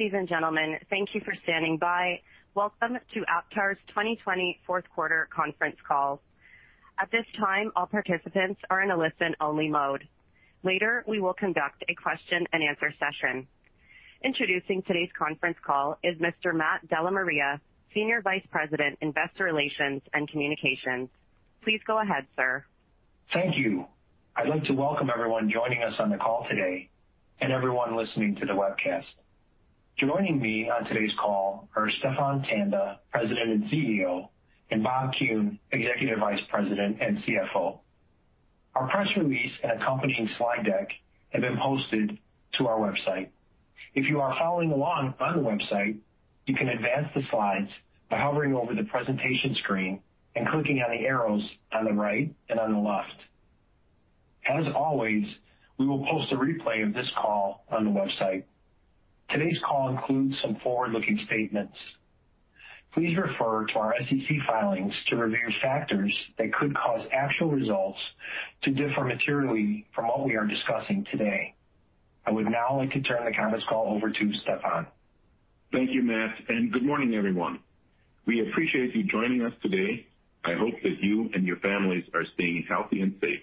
Ladies and gentlemen, thank you for standing by. Welcome to Aptar's 2020 Fourth Quarter Conference Call. At this time, all participants are in a listen-only mode. Later, we will conduct a question and answer session. Introducing today's conference call is Mr. Matt DellaMaria, Senior Vice President, Investor Relations and Communications. Please go ahead, sir. Thank you. I'd like to welcome everyone joining us on the call today and everyone listening to the webcast. Joining me on today's call are Stephan Tanda, President and CEO, Bob Kuhn, Executive Vice President and CFO. Our press release and accompanying slide deck have been posted to our website. If you are following along on the website, you can advance the slides by hovering over the presentation screen and clicking on the arrows on the right and on the left. As always, we will post a replay of this call on the website. Today's call includes some forward-looking statements. Please refer to our SEC filings to review factors that could cause actual results to differ materially from what we are discussing today. I would now like to turn the conference call over to Stephan. Thank you, Matt, and good morning, everyone. We appreciate you joining us today. I hope that you and your families are staying healthy and safe.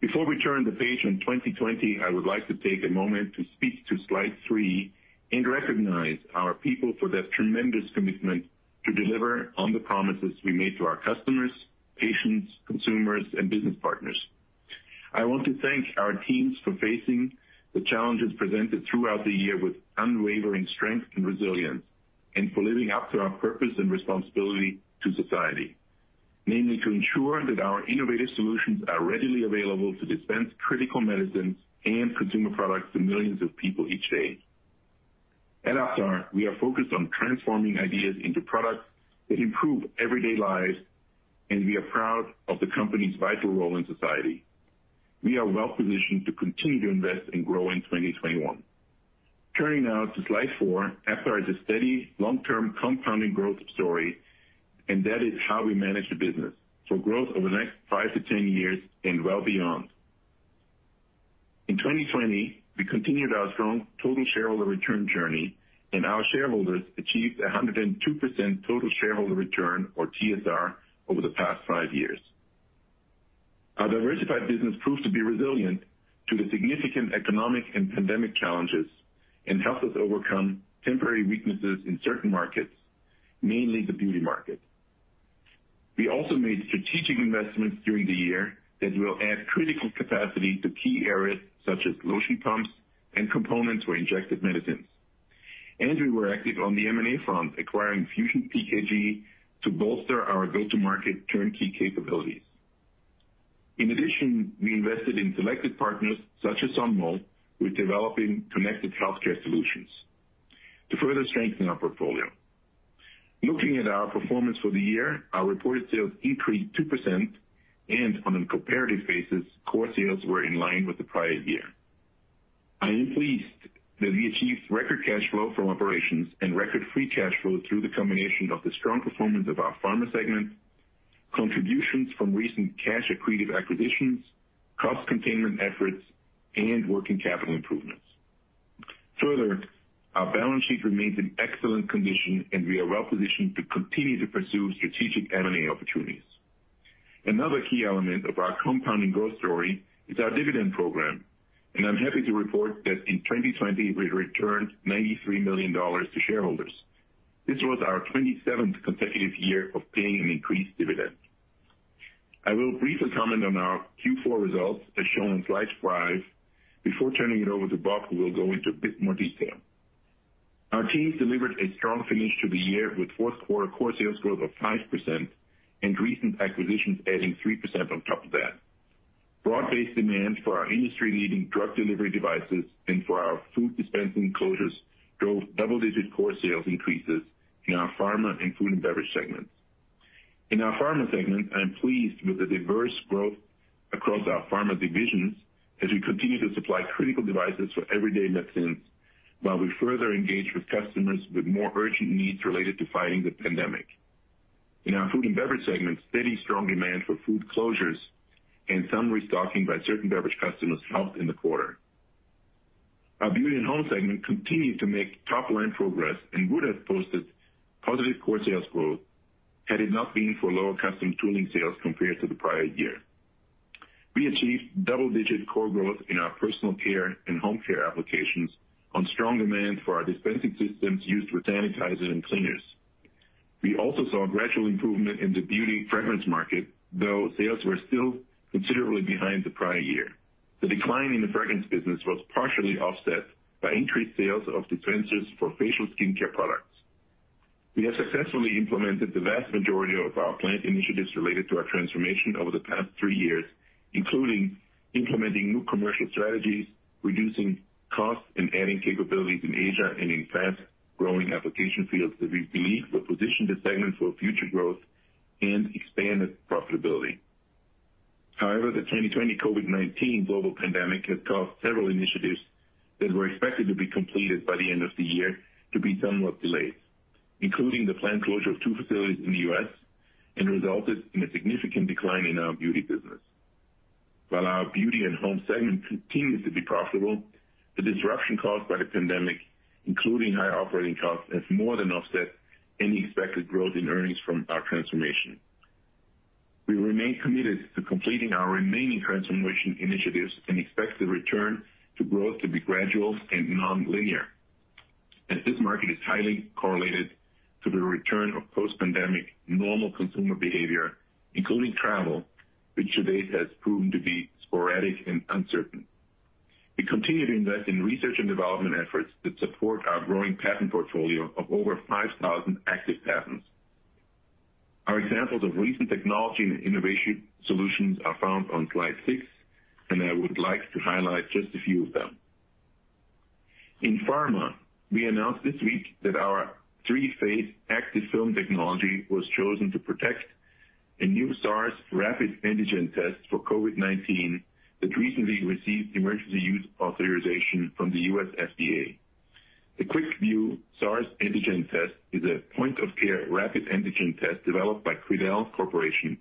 Before we turn the page on 2020, I would like to take a moment to speak to slide three and recognize our people for their tremendous commitment to deliver on the promises we made to our customers, patients, consumers, and business partners. I want to thank our teams for facing the challenges presented throughout the year with unwavering strength and resilience, and for living up to our purpose and responsibility to society. Namely, to ensure that our innovative solutions are readily available to dispense critical medicines and consumer products to millions of people each day. At Aptar, we are focused on transforming ideas into products that improve everyday lives, and we are proud of the company's vital role in society. We are well-positioned to continue to invest and grow in 2021. Turning now to slide four, Aptar is a steady long-term compounding growth story. That is how we manage the business for growth over the 5-10 years and well beyond. In 2020, we continued our strong total shareholder return journey. Our shareholders achieved 102% total shareholder return, or TSR, over the past five years. Our diversified business proved to be resilient to the significant economic and pandemic challenges and helped us overcome temporary weaknesses in certain markets, mainly the beauty market. We also made strategic investments during the year that will add critical capacity to key areas such as lotion pumps and components for injected medicines. We were active on the M&A front, acquiring FusionPKG to bolster our go-to-market turnkey capabilities. In addition, we invested in selected partners who are developing connected healthcare solutions to further strengthen our portfolio. Looking at our performance for the year, our reported sales decreased 2%. On a comparative basis, core sales were in line with the prior year. I am pleased that we achieved record cash flow from operations and record free cash flow through the combination of the strong performance of our pharma segment, contributions from recent cash-accretive acquisitions, cost containment efforts, and working capital improvements. Further, our balance sheet remains in excellent condition, and we are well positioned to continue to pursue strategic M&A opportunities. Another key element of our compounding growth story is our dividend program. I'm happy to report that in 2020, we returned $93 million to shareholders. This was our 27th consecutive year of paying an increased dividend. I will briefly comment on our Q4 results, as shown on slide five, before turning it over to Bob, who will go into a bit more detail. Our teams delivered a strong finish to the year with fourth quarter core sales growth of 5% and recent acquisitions adding 3% on top of that. Broad-based demand for our industry-leading drug delivery devices and for our food dispensing closures drove double-digit core sales increases in our pharma and food and beverage segments. In our pharma segment, I am pleased with the diverse growth across our pharma divisions as we continue to supply critical devices for everyday medicines while we further engage with customers with more urgent needs related to fighting the pandemic. In our food and beverage segment, steady, strong demand for food closures and some restocking by certain beverage customers helped in the quarter. Our Beauty and Home segment continued to make top-line progress and would have posted positive core sales growth had it not been for lower custom tooling sales compared to the prior year. We achieved double-digit core growth in our personal care and home care applications on strong demand for our dispensing systems used with sanitizers and cleaners. We also saw gradual improvement in the beauty fragrance market, though sales were still considerably behind the prior year. The decline in the fragrance business was partially offset by increased sales of dispensers for facial skincare products. We have successfully implemented the vast majority of our planned initiatives related to our transformation over the past three years, including implementing new commercial strategies, reducing costs, and adding capabilities in Asia and in fast-growing application fields that we believe will position the segment for future growth and expanded profitability. However, the 2020 COVID-19 global pandemic has caused several initiatives that were expected to be completed by the end of the year to be somewhat delayed, including the planned closure of two facilities in the U.S., and resulted in a significant decline in our beauty business. While our Beauty and Home segment continues to be profitable, the disruption caused by the pandemic, including higher operating costs, has more than offset any expected growth in earnings from our transformation. We remain committed to completing our remaining transformation initiatives and expect the return to growth to be gradual and nonlinear, as this market is highly correlated to the return of post-pandemic normal consumer behavior, including travel, which to date has proven to be sporadic and uncertain. We continue to invest in research and development efforts that support our growing patent portfolio of over 5,000 active patents. Our examples of recent technology and innovation solutions are found on slide six, and I would like to highlight just a few of them. In pharma, we announced this week that our 3-Phase Activ-Film technology was chosen to protect a new SARS rapid antigen test for COVID-19 that recently received emergency use authorization from the U.S. FDA. The QuickVue SARS Antigen Test is a point-of-care rapid antigen test developed by Quidel Corporation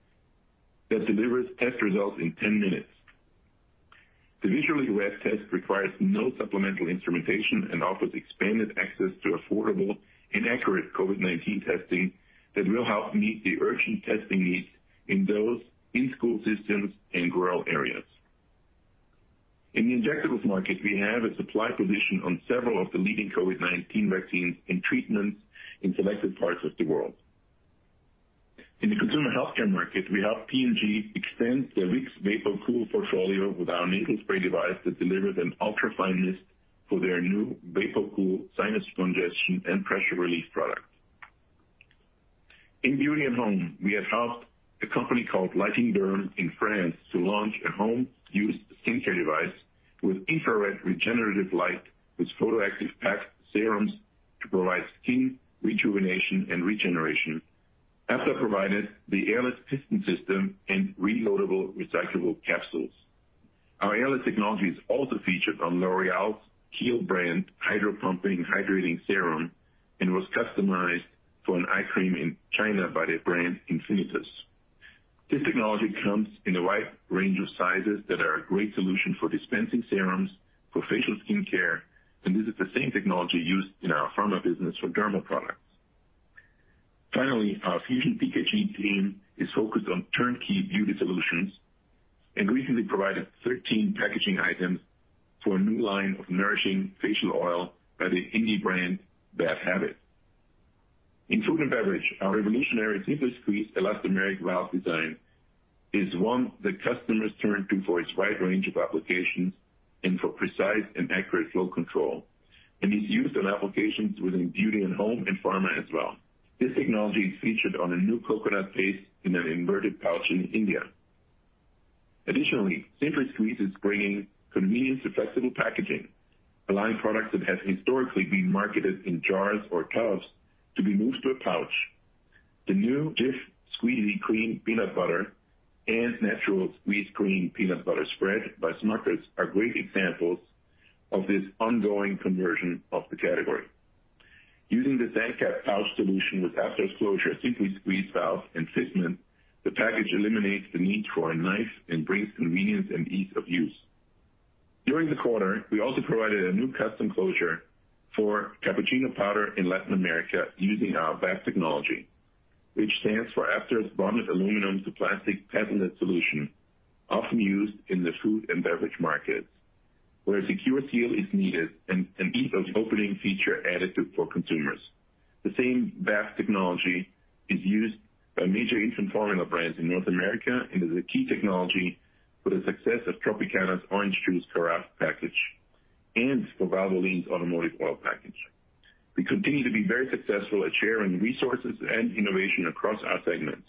that delivers test results in 10 minutes. The visually read test requires no supplemental instrumentation and offers expanded access to affordable and accurate COVID-19 testing that will help meet the urgent testing needs in those in school systems and rural areas. In the injectables market, we have a supply position on several of the leading COVID-19 vaccines and treatments in selected parts of the world. In the consumer healthcare market, we helped P&G extend their Vicks VapoCOOL portfolio with our nasal spray device that delivers an ultra-fine mist for their new VapoCOOL sinus congestion and pressure relief product. In Beauty and Home, we have helped a company called Lightinderm in France to launch a home-use skincare device with infrared regenerative light with photoactive packed serums to provide skin rejuvenation and regeneration. Aptar provided the airless piston system and reloadable recyclable capsules. Our airless technology is also featured on L'Oréal's Kiehl's brand Hydro-Plumping hydrating serum and was customized for an eye cream in China by the brand Infinitus. This technology comes in a wide range of sizes that are a great solution for dispensing serums for facial skincare. This is the same technology used in our pharma business for dermal products. Finally, our FusionPKG team is focused on turnkey beauty solutions and recently provided 13 packaging items for a new line of nourishing facial oil by the indie brand Bad Habit. In food and beverage, our revolutionary SimpliSqueeze elastomeric valve design is one that customers turn to for its wide range of applications and for precise and accurate flow control and is used on applications within Beauty and Home and Pharma as well. This technology is featured on a new coconut paste in an inverted pouch in India. Additionally, SimpliSqueeze is bringing convenience to flexible packaging, allowing products that have historically been marketed in jars or tubs to be moved to a pouch. The new Jif Squeeze Cream Peanut Butter and Natural Squeeze Cream Peanut Butter Spread by Smucker's are great examples of this ongoing conversion of the category. Using the STANDCAP pouch solution with Aptar's closure SimpliSqueeze valve and fitment, the package eliminates the need for a knife and brings convenience and ease of use. During the quarter, we also provided a new custom closure for cappuccino powder in Latin America using our BAP technology, which stands for Aptar's Bonded Aluminum to Plastic patented solution, often used in the food and beverage markets, where a secure seal is needed and an ease-of-opening feature added for consumers. The same BAP technology is used by major infant formula brands in North America and is a key technology for the success of Tropicana's orange juice carafe package and for Valvoline's automotive oil package. We continue to be very successful at sharing resources and innovation across our segments,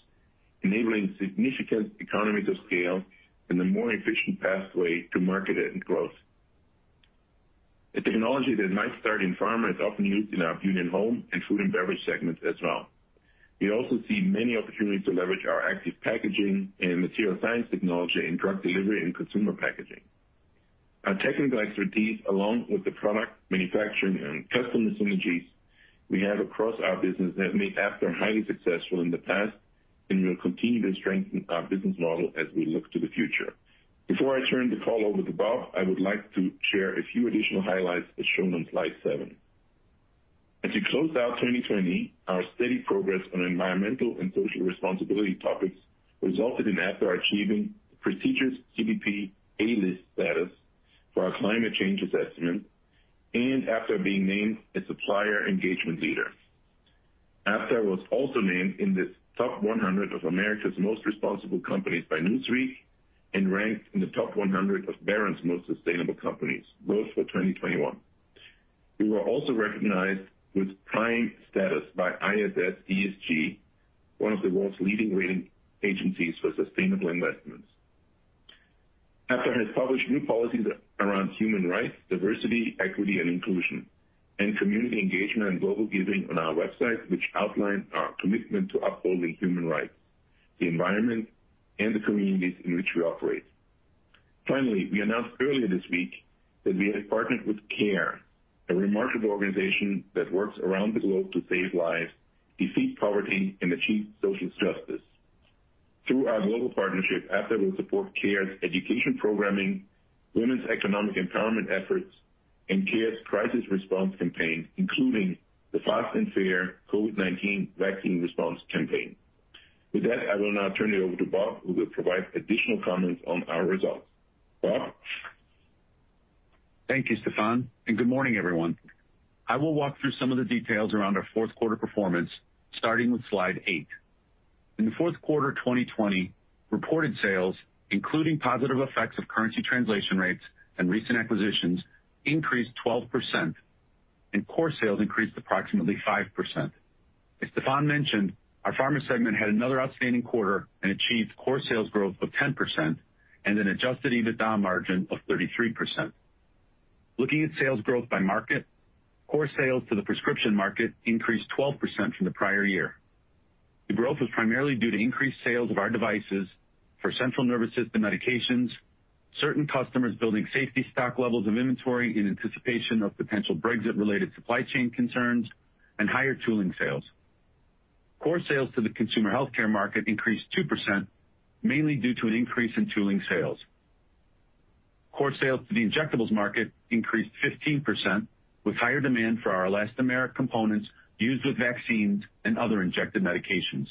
enabling significant economies of scale and a more efficient pathway to market and growth. A technology that might start in pharma is often used in our Beauty and Home and Food and Beverage segments as well. We also see many opportunities to leverage our active packaging and material science technology in drug delivery and consumer packaging. Our technical expertise, along with the product manufacturing and custom synergies we have across our business, have made Aptar highly successful in the past and will continue to strengthen our business model as we look to the future. Before I turn the call over to Bob, I would like to share a few additional highlights as shown on slide seven. As we close out 2020, our steady progress on environmental and social responsibility topics resulted in Aptar achieving prestigious CDP A-List status for our climate change assessment and Aptar being named a Supplier Engagement Leader. Aptar was also named in the top 100 of America's most responsible companies by Newsweek and ranked in the top 100 of Barron's Most Sustainable Companies, both for 2021. We were also recognized with prime status by ISS ESG, one of the world's leading rating agencies for sustainable investments. Aptar has published new policies around human rights, diversity, equity, and inclusion, and community engagement and global giving on our website, which outline our commitment to upholding human rights, the environment, and the communities in which we operate. Finally, we announced earlier this week that we have partnered with CARE, a remarkable organization that works around the globe to save lives, defeat poverty and achieve social justice. Through our global partnership, Aptar will support CARE's education programming, women's economic empowerment efforts, and CARE's Crisis Response campaign, including the Fast and Fair COVID-19 vaccine response campaign. With that, I will now turn it over to Bob, who will provide additional comments on our results. Bob? Thank you, Stephan, and good morning, everyone. I will walk through some of the details around our fourth quarter performance, starting with slide eight. In the fourth quarter of 2020, reported sales, including positive effects of currency translation rates and recent acquisitions, increased 12%, and core sales increased approximately 5%. As Stephan mentioned, our Pharma segment had another outstanding quarter and achieved core sales growth of 10% and an adjusted EBITDA margin of 33%. Looking at sales growth by market, core sales to the prescription market increased 12% from the prior year. The growth was primarily due to increased sales of our devices for central nervous system medications, certain customers building safety stock levels of inventory in anticipation of potential Brexit-related supply chain concerns, and higher tooling sales. Core sales to the consumer healthcare market increased 2%, mainly due to an increase in tooling sales. Core sales to the injectables market increased 15%, with higher demand for our elastomeric components used with vaccines and other injected medications.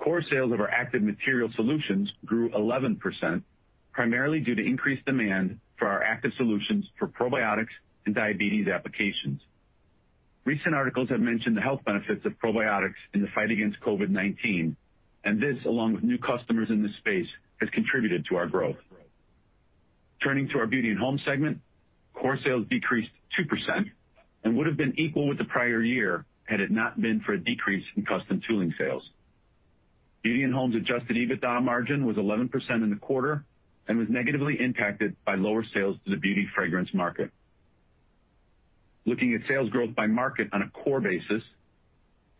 Core sales of our active material solutions grew 11%, primarily due to increased demand for our active solutions for probiotics and diabetes applications. Recent articles have mentioned the health benefits of probiotics in the fight against COVID-19. This, along with new customers in this space, has contributed to our growth. Turning to our Beauty and Home segment, core sales decreased 2% and would have been equal with the prior year had it not been for a decrease in custom tooling sales. Beauty and Home's adjusted EBITDA margin was 11% in the quarter and was negatively impacted by lower sales to the beauty fragrance market. Looking at sales growth by market on a core basis,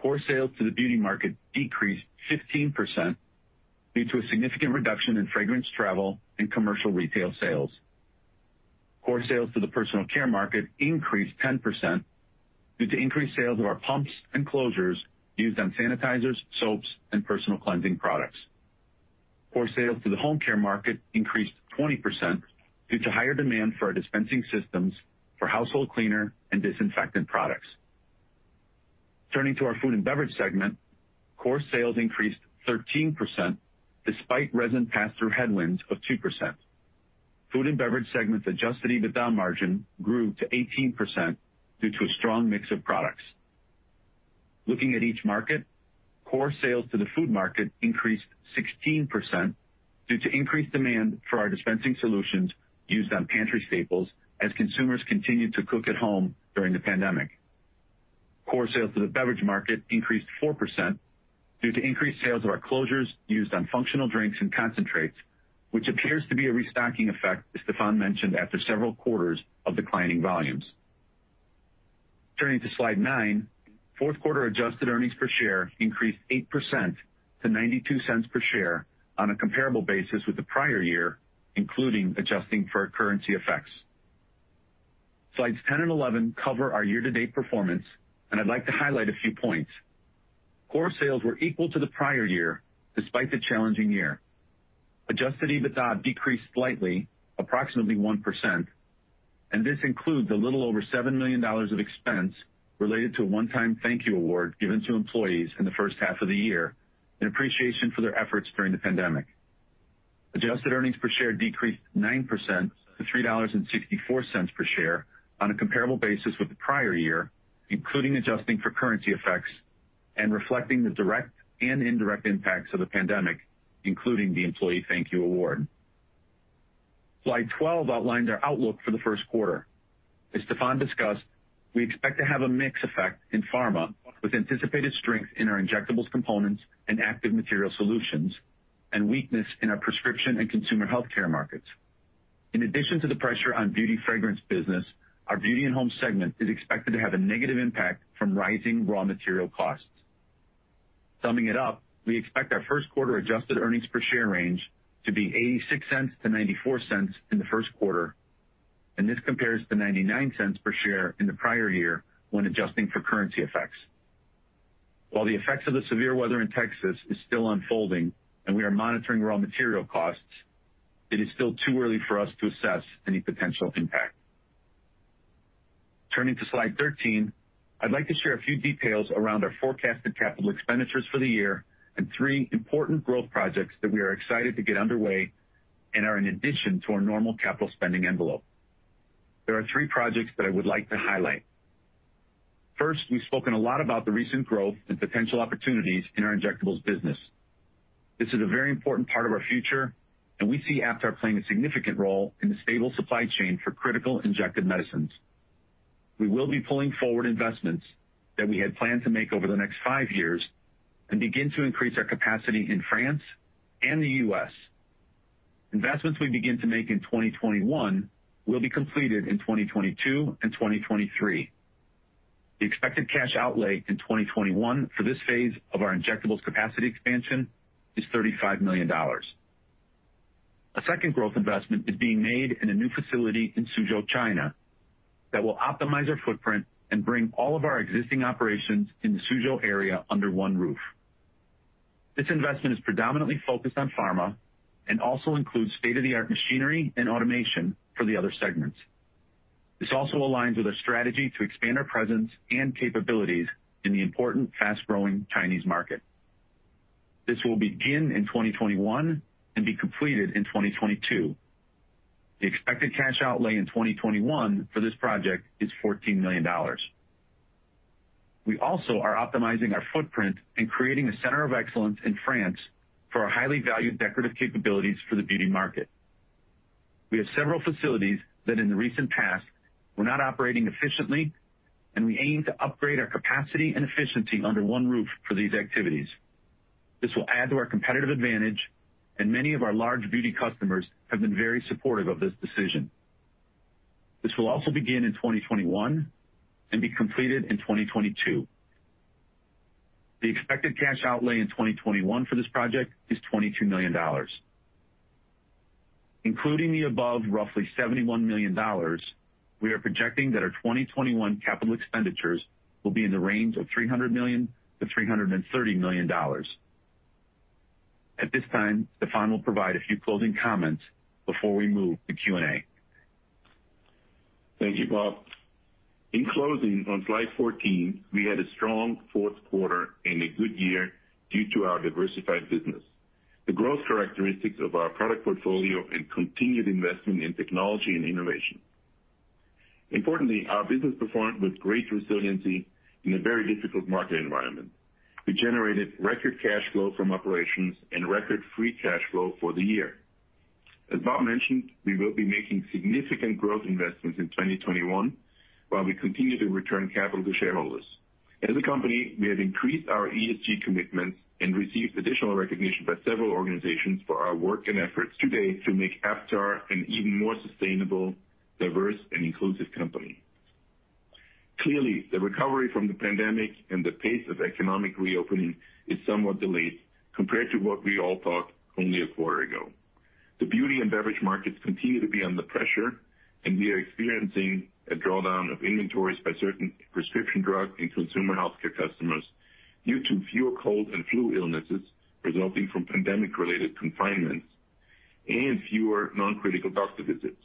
core sales to the beauty market decreased 15% due to a significant reduction in fragrance travel and commercial retail sales. Core sales to the personal care market increased 10% due to increased sales of our pumps and closures used on sanitizers, soaps, and personal cleansing products. Core sales to the home care market increased 20% due to higher demand for our dispensing systems for household cleaner and disinfectant products. Turning to our Food and Beverage segment, core sales increased 13%, despite resin pass-through headwinds of 2%. Food and Beverage segment's adjusted EBITDA margin grew to 18% due to a strong mix of products. Looking at each market, core sales to the food market increased 16% due to increased demand for our dispensing solutions used on pantry staples as consumers continued to cook at home during the pandemic. Core sales to the beverage market increased 4% due to increased sales of our closures used on functional drinks and concentrates, which appears to be a restocking effect, as Stephan mentioned, after several quarters of declining volumes. Turning to slide nine, fourth quarter adjusted earnings per share increased 8% to $0.92 per share on a comparable basis with the prior year, including adjusting for currency effects. Slides 10 and 11 cover our year-to-date performance, and I'd like to highlight a few points. Core sales were equal to the prior year despite the challenging year. Adjusted EBITDA decreased slightly, approximately 1%, and this includes a little over $7 million of expense related to a one-time thank you award given to employees in the first half of the year in appreciation for their efforts during the pandemic. Adjusted earnings per share decreased 9% to $3.64 per share on a comparable basis with the prior year, including adjusting for currency effects and reflecting the direct and indirect impacts of the pandemic, including the employee thank you award. Slide 12 outlines our outlook for the first quarter. As Stephan discussed, we expect to have a mix effect in pharma, with anticipated strength in our injectables components and active material solutions, and weakness in our prescription and consumer healthcare markets. In addition to the pressure on beauty fragrance business, our Beauty and Home segment is expected to have a negative impact from rising raw material costs. Summing it up, we expect our first quarter adjusted earnings per share range to be $0.86-$0.94 in the first quarter, and this compares to $0.99 per share in the prior year when adjusting for currency effects. While the effects of the severe weather in Texas is still unfolding and we are monitoring raw material costs, it is still too early for us to assess any potential impact. Turning to slide 13, I'd like to share a few details around our forecasted capital expenditures for the year and three important growth projects that we are excited to get underway and are in addition to our normal capital spending envelope. There are three projects that I would like to highlight. First, we've spoken a lot about the recent growth and potential opportunities in our injectables business. This is a very important part of our future, and we see Aptar playing a significant role in the stable supply chain for critical injected medicines. We will be pulling forward investments that we had planned to make over the next five years and begin to increase our capacity in France and the U.S. Investments we begin to make in 2021 will be completed in 2022 and 2023. The expected cash outlay in 2021 for this phase of our injectables capacity expansion is $35 million. A second growth investment is being made in a new facility in Suzhou, China, that will optimize our footprint and bring all of our existing operations in the Suzhou area under one roof. This investment is predominantly focused on pharma and also includes state-of-the-art machinery and automation for the other segments. This also aligns with our strategy to expand our presence and capabilities in the important, fast-growing Chinese market. This will begin in 2021 and be completed in 2022. The expected cash outlay in 2021 for this project is $14 million. We also are optimizing our footprint and creating a center of excellence in France for our highly valued decorative capabilities for the beauty market. We have several facilities that in the recent past were not operating efficiently, and we aim to upgrade our capacity and efficiency under one roof for these activities. This will add to our competitive advantage, and many of our large beauty customers have been very supportive of this decision. This will also begin in 2021 and be completed in 2022. The expected cash outlay in 2021 for this project is $22 million. Including the above, roughly $71 million, we are projecting that our 2021 capital expenditures will be in the range of $300 million-$330 million. At this time, Stephan will provide a few closing comments before we move to Q&A. Thank you, Bob. In closing, on slide 14, we had a strong fourth quarter and a good year due to our diversified business, the growth characteristics of our product portfolio, and continued investment in technology and innovation. Importantly, our business performed with great resiliency in a very difficult market environment. We generated record cash flow from operations and record free cash flow for the year. As Bob mentioned, we will be making significant growth investments in 2021, while we continue to return capital to shareholders. As a company, we have increased our ESG commitments and received additional recognition by several organizations for our work and efforts today to make Aptar an even more sustainable, diverse, and inclusive company. Clearly, the recovery from the pandemic and the pace of economic reopening is somewhat delayed compared to what we all thought only a quarter ago. The beauty and beverage markets continue to be under pressure, and we are experiencing a drawdown of inventories by certain prescription drug and consumer healthcare customers due to fewer cold and flu illnesses resulting from pandemic-related confinements and fewer non-critical doctor visits.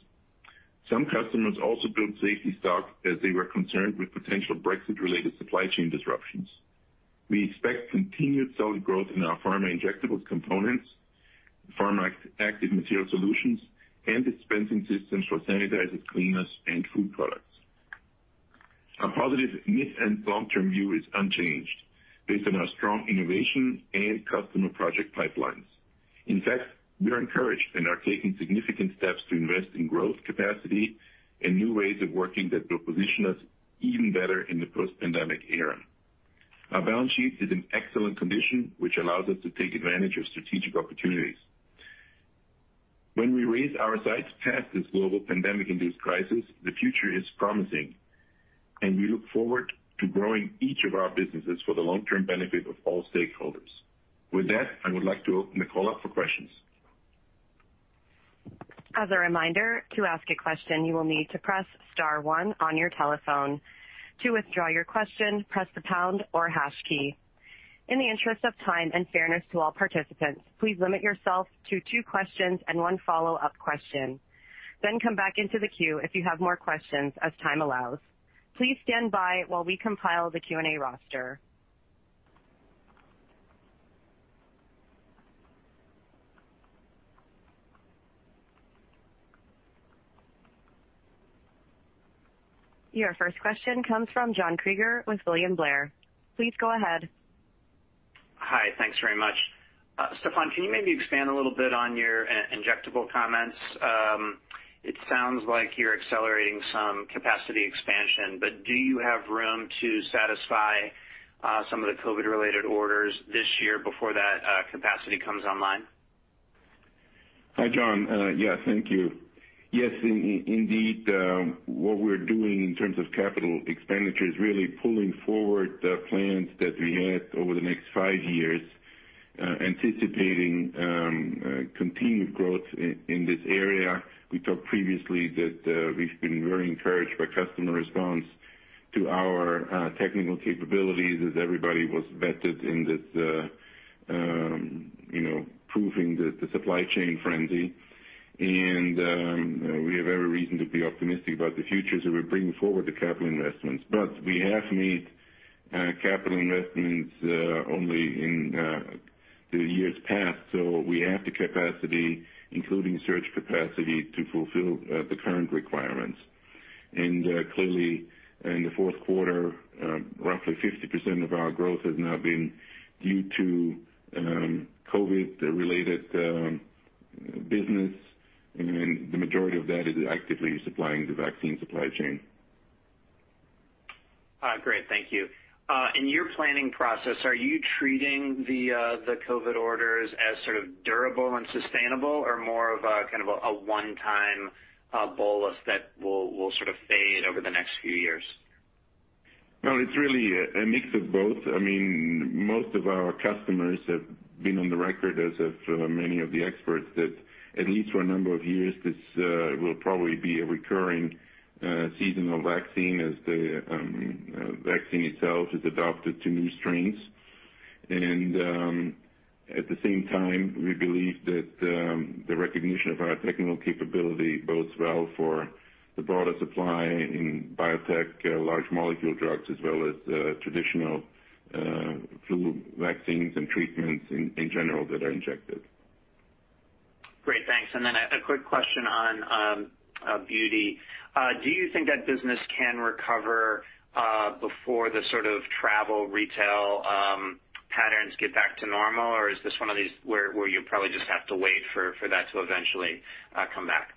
Some customers also built safety stock as they were concerned with potential Brexit-related supply chain disruptions. We expect continued solid growth in our pharma injectables components, pharma active material solutions, and dispensing systems for sanitizers, cleaners, and food products. Our positive mid- and long-term view is unchanged based on our strong innovation and customer project pipelines. In fact, we are encouraged and are taking significant steps to invest in growth capacity and new ways of working that will position us even better in the post-pandemic era. Our balance sheet is in excellent condition, which allows us to take advantage of strategic opportunities. When we raise our sights past this global pandemic-induced crisis, the future is promising, and we look forward to growing each of our businesses for the long-term benefit of all stakeholders. With that, I would like to open the call up for questions. As a reminder to ask a question, you will need to press star one on your telephone. To withdraw your question, press the pound or hash key. In the interest of time and fairness to all participants, please limit yourself to two questions and one-follow up question, then comeback into the queue if you have more question as time allows. Your first question comes from John Kreger with William Blair. Please go ahead. Hi. Thanks very much. Stephan, can you maybe expand a little bit on your injectable comments? It sounds like you're accelerating some capacity expansion, but do you have room to satisfy some of the COVID related orders this year before that capacity comes online? Hi, John. Yeah, thank you. Yes, indeed. What we're doing in terms of capital expenditure is really pulling forward the plans that we had over the next five years, anticipating continued growth in this area. We talked previously that we've been very encouraged by customer response to our technical capabilities as everybody was vetted in this proving the supply chain frenzy. We have every reason to be optimistic about the future, so we're bringing forward the capital investments. We have made capital investments only in the years past, so we have the capacity, including surge capacity, to fulfill the current requirements. Clearly, in the fourth quarter, roughly 50% of our growth has now been due to COVID-related business, and the majority of that is actively supplying the vaccine supply chain. Great. Thank you. In your planning process, are you treating the COVID orders as sort of durable and sustainable or more of a one-time bolus that will sort of fade over the next few years? No, it's really a mix of both. Most of our customers have been on the record, as have many of the experts, that at least for a number of years, this will probably be a recurring seasonal vaccine as the vaccine itself is adapted to new strains. At the same time, we believe that the recognition of our technical capability bodes well for the broader supply in biotech large molecule drugs, as well as traditional flu vaccines and treatments, in general, that are injected. Great, thanks. A quick question on beauty. Do you think that business can recover before the sort of travel retail patterns get back to normal? Is this one of these where you probably just have to wait for that to eventually come back?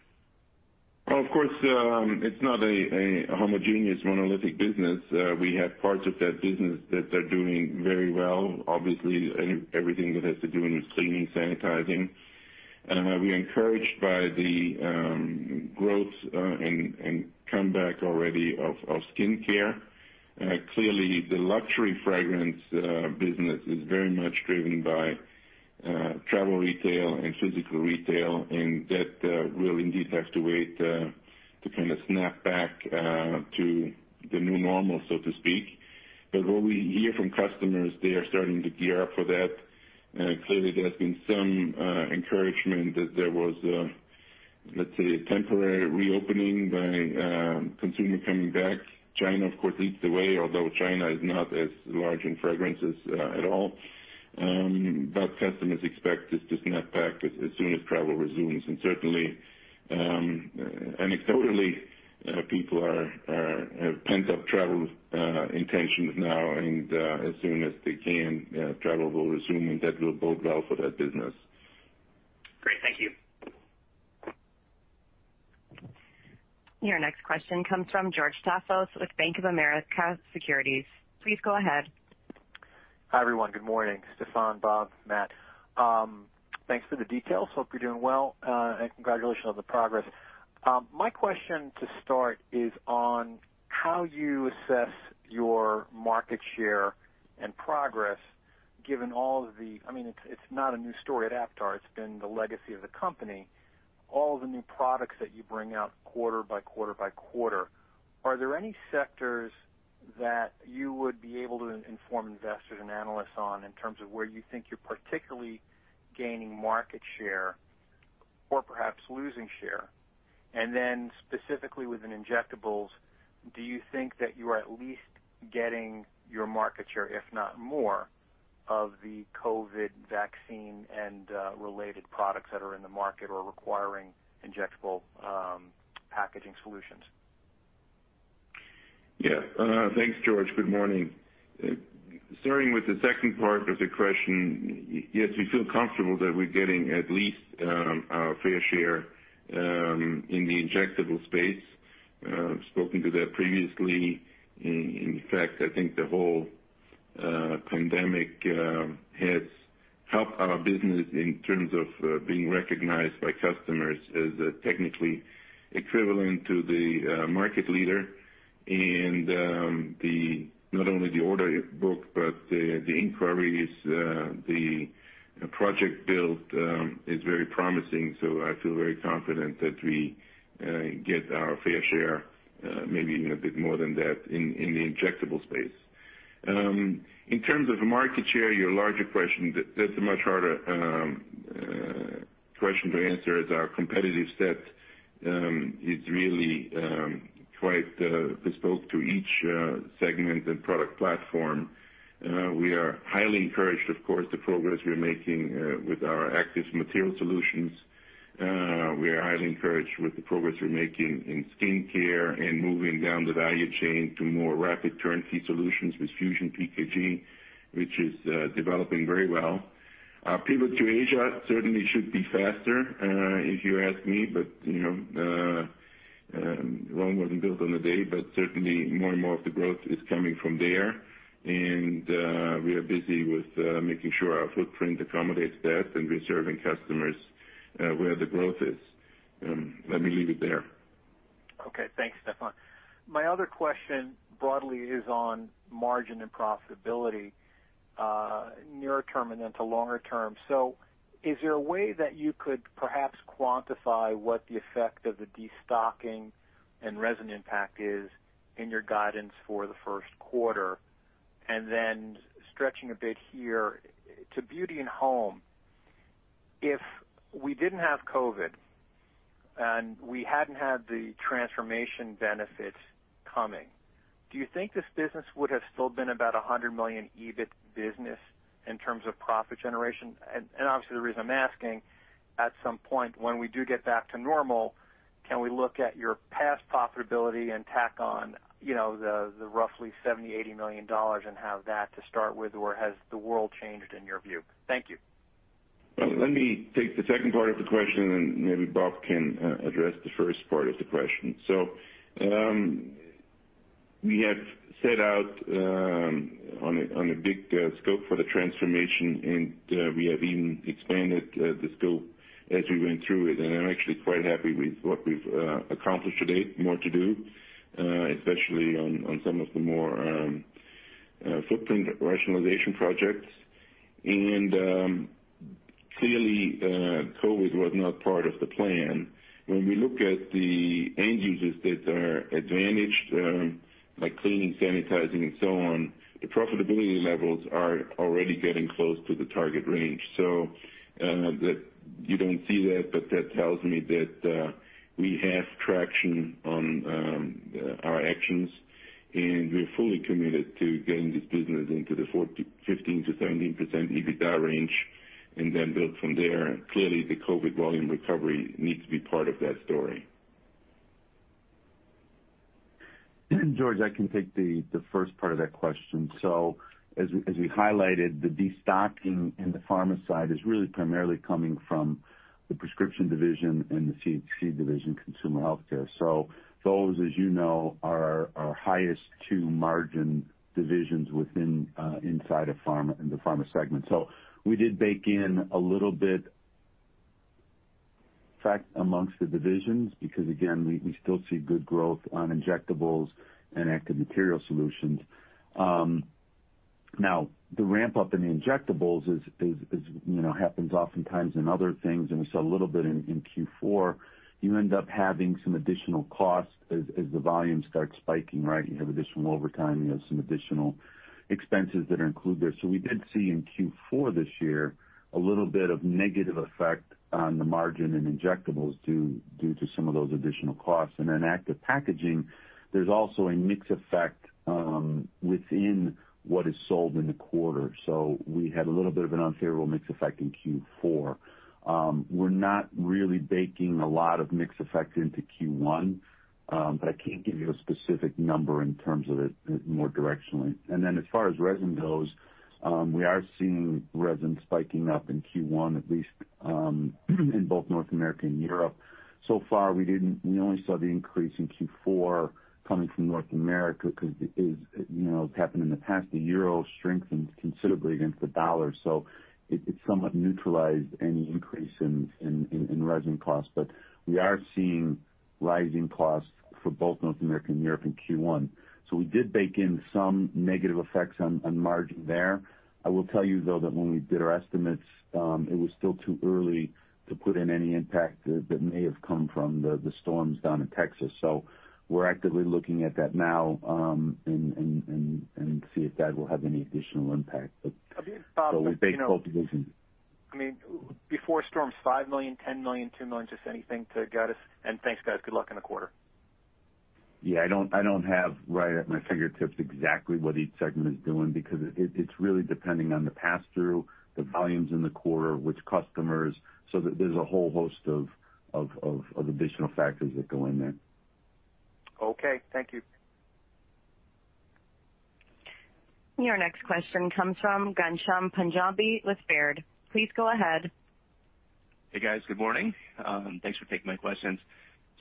Of course, it's not a homogeneous, monolithic business. We have parts of that business that are doing very well, obviously everything that has to do with cleaning, sanitizing. We are encouraged by the growth and comeback already of skincare. Clearly, the luxury fragrance business is very much driven by travel retail and physical retail, and that will indeed have to wait to kind of snap back to the new normal, so to speak. What we hear from customers, they are starting to gear up for that. Clearly, there has been some encouragement that there was, let's say, a temporary reopening by consumer coming back. China, of course, leads the way, although China is not as large in fragrances at all. Customers expect this to snap back as soon as travel resumes. Certainly, anecdotally, people have pent-up travel intentions now, and as soon as they can, travel will resume, and that will bode well for that business. Great, thank you. Your next question comes from George Staphos with Bank of America Securities. Please go ahead. Hi, everyone. Good morning, Stephan, Bob, Matt. Thanks for the details. Hope you're doing well, and congratulations on the progress. My question to start is on how you assess your market share and progress, given It's not a new story at Aptar, it's been the legacy of the company. All the new products that you bring out quarter by quarter by quarter, are there any sectors that you would be able to inform investors and analysts on in terms of where you think you're particularly gaining market share or perhaps losing share? Specifically within injectables, do you think that you are at least getting your market share, if not more, of the COVID vaccine and related products that are in the market or requiring injectable packaging solutions? Yeah. Thanks, George. Good morning. Starting with the second part of the question, yes, we feel comfortable that we're getting at least our fair share in the injectable space. I've spoken to that previously. I think the whole pandemic has helped our business in terms of being recognized by customers as technically equivalent to the market leader. Not only the order is booked, but the inquiries, the project build is very promising. I feel very confident that we get our fair share, maybe even a bit more than that in the injectable space. In terms of market share, your larger question, that's a much harder question to answer as our competitive set is really quite bespoke to each segment and product platform. We are highly encouraged, of course, the progress we're making with our active material solutions. We are highly encouraged with the progress we're making in skincare and moving down the value chain to more rapid turn-key solutions with FusionPKG, which is developing very well. Our pivot to Asia certainly should be faster, if you ask me, but Rome wasn't built in a day, but certainly more and more of the growth is coming from there. We are busy with making sure our footprint accommodates that and we're serving customers where the growth is. Let me leave it there. Okay. Thanks, Stephan. My other question broadly is on margin and profitability, near-term and into longer term. Is there a way that you could perhaps quantify what the effect of the destocking and resin impact is in your guidance for the first quarter? Stretching a bit here to Beauty and Home, if we didn't have COVID and we hadn't had the transformation benefits coming, do you think this business would have still been about a $100 million EBIT business in terms of profit generation? Obviously, the reason I'm asking, at some point when we do get back to normal, can we look at your past profitability and tack on the roughly $70 million, $80 million and have that to start with? Has the world changed in your view? Thank you. Let me take the second part of the question. Maybe Bob can address the first part of the question. We have set out on a big scope for the transformation. We have even expanded the scope as we went through it. I'm actually quite happy with what we've accomplished to date. More to do, especially on some of the more footprint rationalization projects. Clearly, COVID was not part of the plan. When we look at the end users that are advantaged by cleaning, sanitizing, and so on, the profitability levels are already getting close to the target range. You don't see that, but that tells me that we have traction on our actions, and we're fully committed to getting this business into the 15%-17% EBITDA range and then build from there. Clearly, the COVID volume recovery needs to be part of that story. George, I can take the first part of that question. As we highlighted, the destocking in the Pharma side is really primarily coming from the prescription division and the CHC division, consumer healthcare. Those, as you know, are our highest two margin divisions inside the Pharma segment. We did bake in a little bit amongst the divisions, because again, we still see good growth on injectables and active material solutions. Now, the ramp-up in the injectables happens oftentimes in other things, and we saw a little bit in Q4. You end up having some additional costs as the volume starts spiking, right? You have additional overtime, you have some additional expenses that are included. We did see in Q4 this year a little bit of negative effect on the margin and injectables due to some of those additional costs. Active packaging, there's also a mix effect within what is sold in the quarter. We had a little bit of an unfavorable mix effect in Q4. We're not really baking a lot of mix effect into Q1, but I can't give you a specific number in terms of it more directionally. As far as resin goes, we are seeing resin spiking up in Q1, at least in both North America and Europe. So far, we only saw the increase in Q4 coming from North America because as happened in the past, the euro strengthened considerably against the dollar. It somewhat neutralized any increase in resin costs. We are seeing rising costs for both North America and Europe in Q1. We did bake in some negative effects on margin there. I will tell you, though, that when we did our estimates, it was still too early to put in any impact that may have come from the storms down in Texas. We're actively looking at that now and see if that will have any additional impact. We baked both of those in. Before storms, $5 million, $10 million, $2 million, just anything to guide us. Thanks, guys. Good luck in the quarter. I don't have right at my fingertips exactly what each segment is doing because it's really depending on the pass-through, the volumes in the quarter, which customers, so there's a whole host of additional factors that go in there. Okay. Thank you. Your next question comes from Ghansham Panjabi with Baird. Please go ahead. Hey, guys. Good morning. Thanks for taking my questions.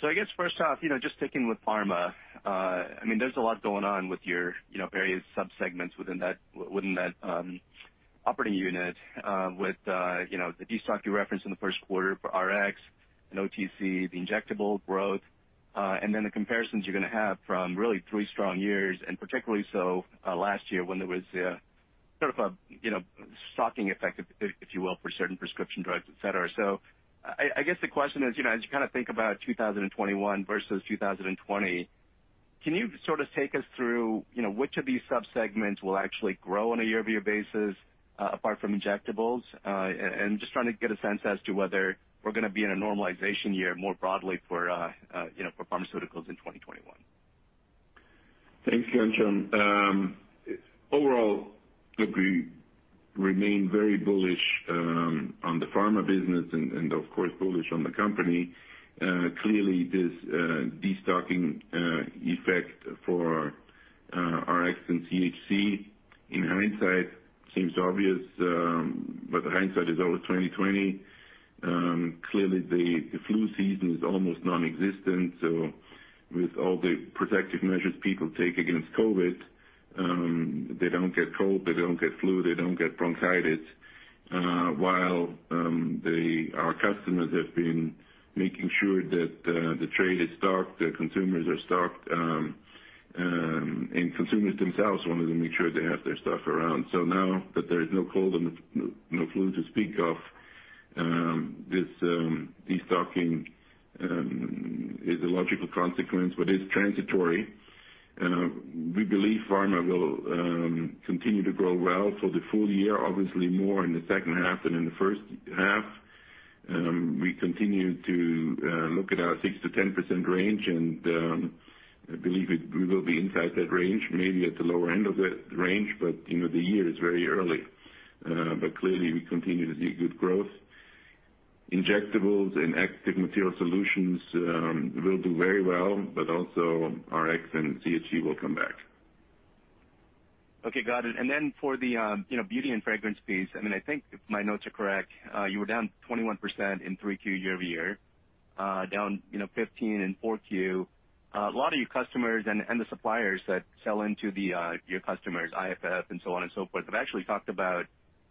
I guess first off, just sticking with pharma, there's a lot going on with your various subsegments within that operating unit with the destock you referenced in the first quarter for Rx and OTC, the injectable growth, and then the comparisons you're going to have from really three strong years, and particularly so last year when there was sort of a shocking effect, if you will, for certain prescription drugs, et cetera. I guess the question is, as you think about 2021 versus 2020, can you sort of take us through which of these subsegments will actually grow on a year-over-year basis apart from injectables? And just trying to get a sense as to whether we're going to be in a normalization year more broadly for pharmaceuticals in 2021. Thanks, Ghansham. Overall, look, we remain very bullish on the Pharma business and, of course, bullish on the company. Clearly, this destocking effect for Rx and CHC, in hindsight, seems obvious, but hindsight is always 2020. Clearly, the flu season is almost non-existent. With all the protective measures people take against COVID, they don't get cold, they don't get flu, they don't get bronchitis. While our customers have been making sure that the trade is stocked, the consumers are stocked, and consumers themselves wanted to make sure they have their stock around. Now that there is no cold and no flu to speak of, this destocking is a logical consequence, but it's transitory. We believe Pharma will continue to grow well for the full year, obviously more in the second half than in the first half. We continue to look at our 6%-10% range. I believe we will be inside that range, maybe at the lower end of the range, but the year is very early. Clearly, we continue to see good growth. Injectables and active material solutions will do very well, but also Rx and CHC will come back. Okay. Got it. Then for the beauty and fragrance piece, I think if my notes are correct, you were down 21% in 3Q year-over-year, down 15% in 4Q. A lot of your customers and the suppliers that sell into your customers, IFF and so on and so forth, have actually talked about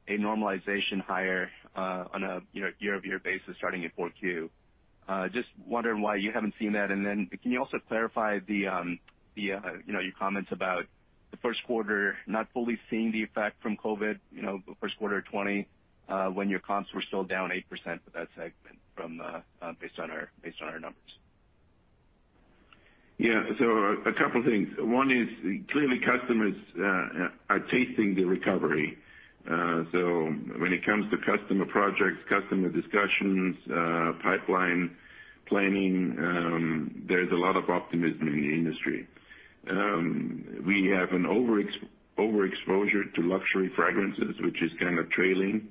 a normalization higher on a year-over-year basis starting in 4Q. Just wondering why you haven't seen that, and then can you also clarify your comments about the first quarter, not fully seeing the effect from COVID, the first quarter of 2020, when your comps were still down 8% for that segment based on our numbers? Yeah. A couple things. One is, clearly customers are tasting the recovery. When it comes to customer projects, customer discussions, pipeline planning, there's a lot of optimism in the industry. We have an overexposure to luxury fragrances, which is kind of trailing.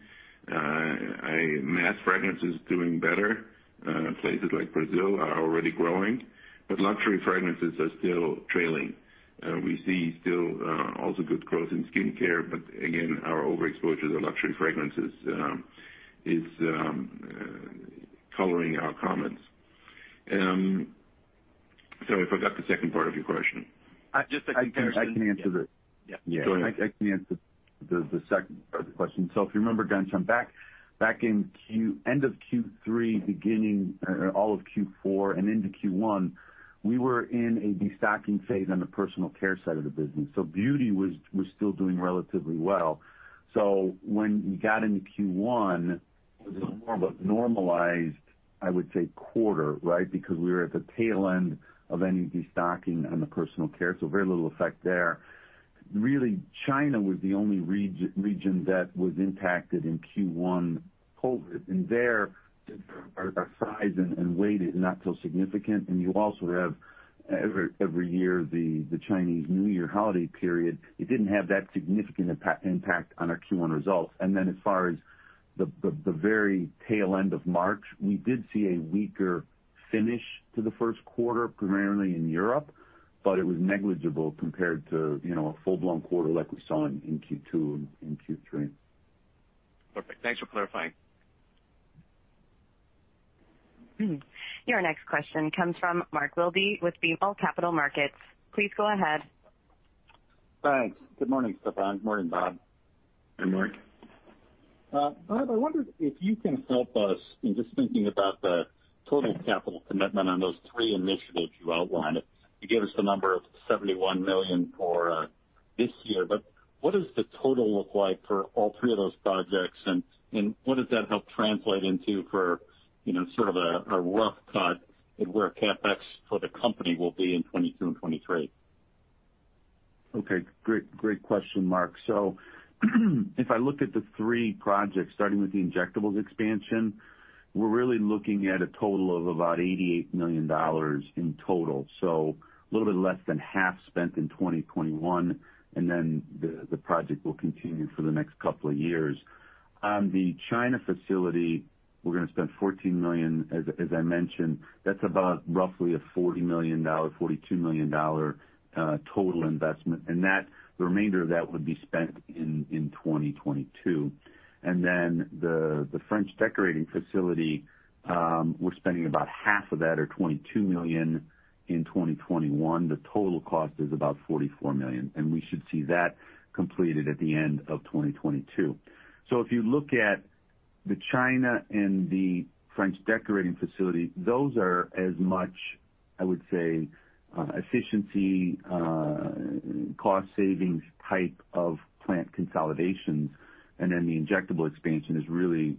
Mass fragrance is doing better. Places like Brazil are already growing. Luxury fragrances are still trailing. We see still also good growth in skincare, but again, our overexposure to luxury fragrances is coloring our comments. Sorry, I forgot the second part of your question. Just the comparison. I can answer the. Yeah. Go ahead. I can answer the second part of the question. If you remember, Ghansham, back end of Q3, beginning all of Q4, and into Q1, we were in a destocking phase on the personal care side of the business. Beauty was still doing relatively well. When you got into Q1, it was a more of a normalized, I would say, quarter, right? Because we were at the tail end of any destocking on the personal care, so very little effect there. Really, China was the only region that was impacted in Q1 COVID. There, our size and weight is not so significant. You also have, every year, the Chinese New Year holiday period. It didn't have that significant impact on our Q1 results. As far as the very tail end of March, we did see a weaker finish to the first quarter, primarily in Europe, but it was negligible compared to a full-blown quarter like we saw in Q2 and Q3. Perfect. Thanks for clarifying. Your next question comes from Mark Wilde with BMO Capital Markets. Please go ahead. Thanks. Good morning, Stephan. Morning, Bob. Hey, Mark. Bob, I wondered if you can help us in just thinking about the total capital commitment on those three initiatives you outlined. You gave us the number of $71 million for this year. What does the total look like for all three of those projects? What does that help translate into for sort of a rough cut at where CapEx for the company will be in 2022 and 2023? Great question, Mark. If I look at the three projects, starting with the injectables expansion, we're really looking at a total of about $88 million in total. A little bit less than half spent in 2021, the project will continue for the next couple of years. On the China facility, we're gonna spend $14 million, as I mentioned. That's about roughly a $40 million, $42 million total investment, the remainder of that would be spent in 2022. The French decorating facility, we're spending about half of that, or $22 million in 2021. The total cost is about $44 million, we should see that completed at the end of 2022. If you look at the China and the French decorating facility, those are as much, I would say, efficiency, cost savings type of plant consolidations. The injectable expansion is really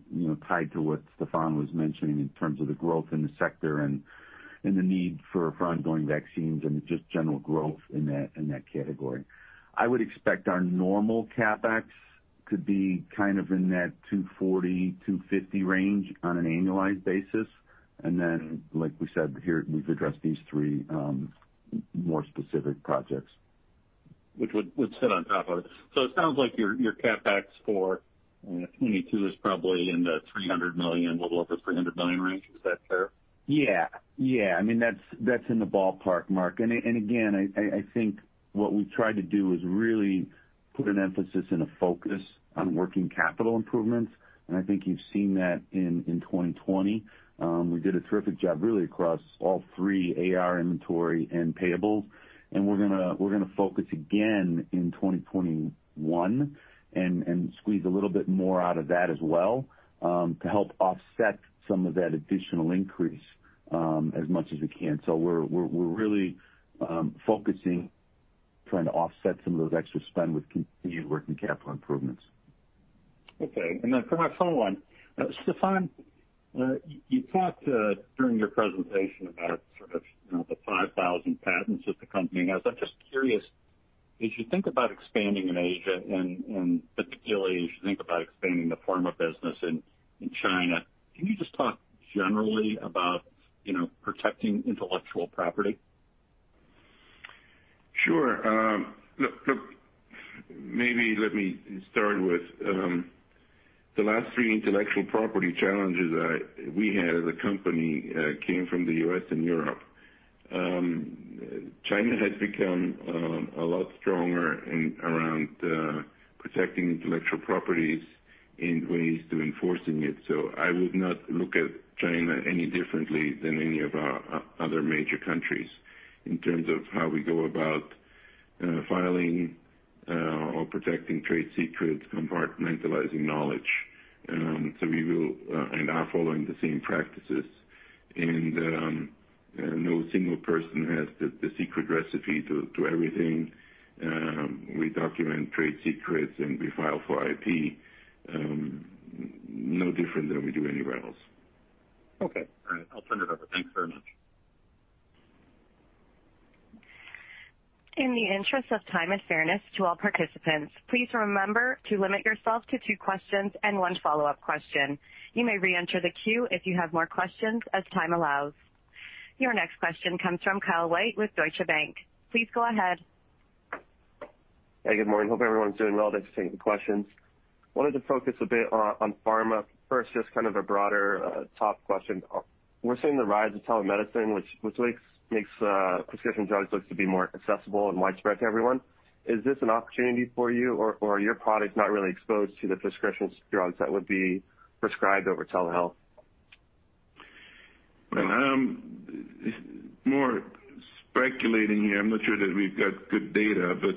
tied to what Stephan was mentioning in terms of the growth in the sector and the need for ongoing vaccines and just general growth in that category. I would expect our normal CapEx to be kind of in that $240 million-$250 million range on an annualized basis. Like we said, here we've addressed these three more specific projects. Which would sit on top of it. It sounds like your CapEx for 2022 is probably in the $300 million, little over $300 million range. Is that fair? Yeah. That's in the ballpark, Mark. Again, I think what we've tried to do is really put an emphasis and a focus on working capital improvements. I think you've seen that in 2020. We did a terrific job, really, across all three, AR, inventory and payables. We're gonna focus again in 2021 and squeeze a little bit more out of that as well, to help offset some of that additional increase, as much as we can. We're really focusing, trying to offset some of those extra spend with continued working capital improvements. For my final one, Stephan, you talked during your presentation about sort of the 5,000 patents that the company has. I'm just curious, as you think about expanding in Asia, and particularly as you think about expanding the Pharma business in China, can you just talk generally about protecting intellectual property? Sure. Look, maybe let me start with the last three intellectual property challenges we had as a company came from the U.S. and Europe. China has become a lot stronger around protecting intellectual properties in ways to enforcing it. I would not look at China any differently than any of our other major countries in terms of how we go about filing or protecting trade secrets, compartmentalizing knowledge. We will, and are following the same practices, and no single person has the secret recipe to everything. We document trade secrets, and we file for IP, no different than we do anywhere else. Okay. All right. I'll turn it over. Thanks very much. In the interest of time and fairness to all participants, please remember to limit yourself to two questions and one follow-up question. You may reenter the queue if you have more questions as time allows. Your next question comes from Kyle White with Deutsche Bank. Please go ahead. Hey, good morning. Hope everyone's doing well. Thanks for taking the questions. Wanted to focus a bit on Pharma. First, just kind of a broader top question. We're seeing the rise of telemedicine, which makes prescription drugs look to be more accessible and widespread to everyone. Is this an opportunity for you or are your products not really exposed to the prescription drugs that would be prescribed over telehealth? More speculating here. I'm not sure that we've got good data, but,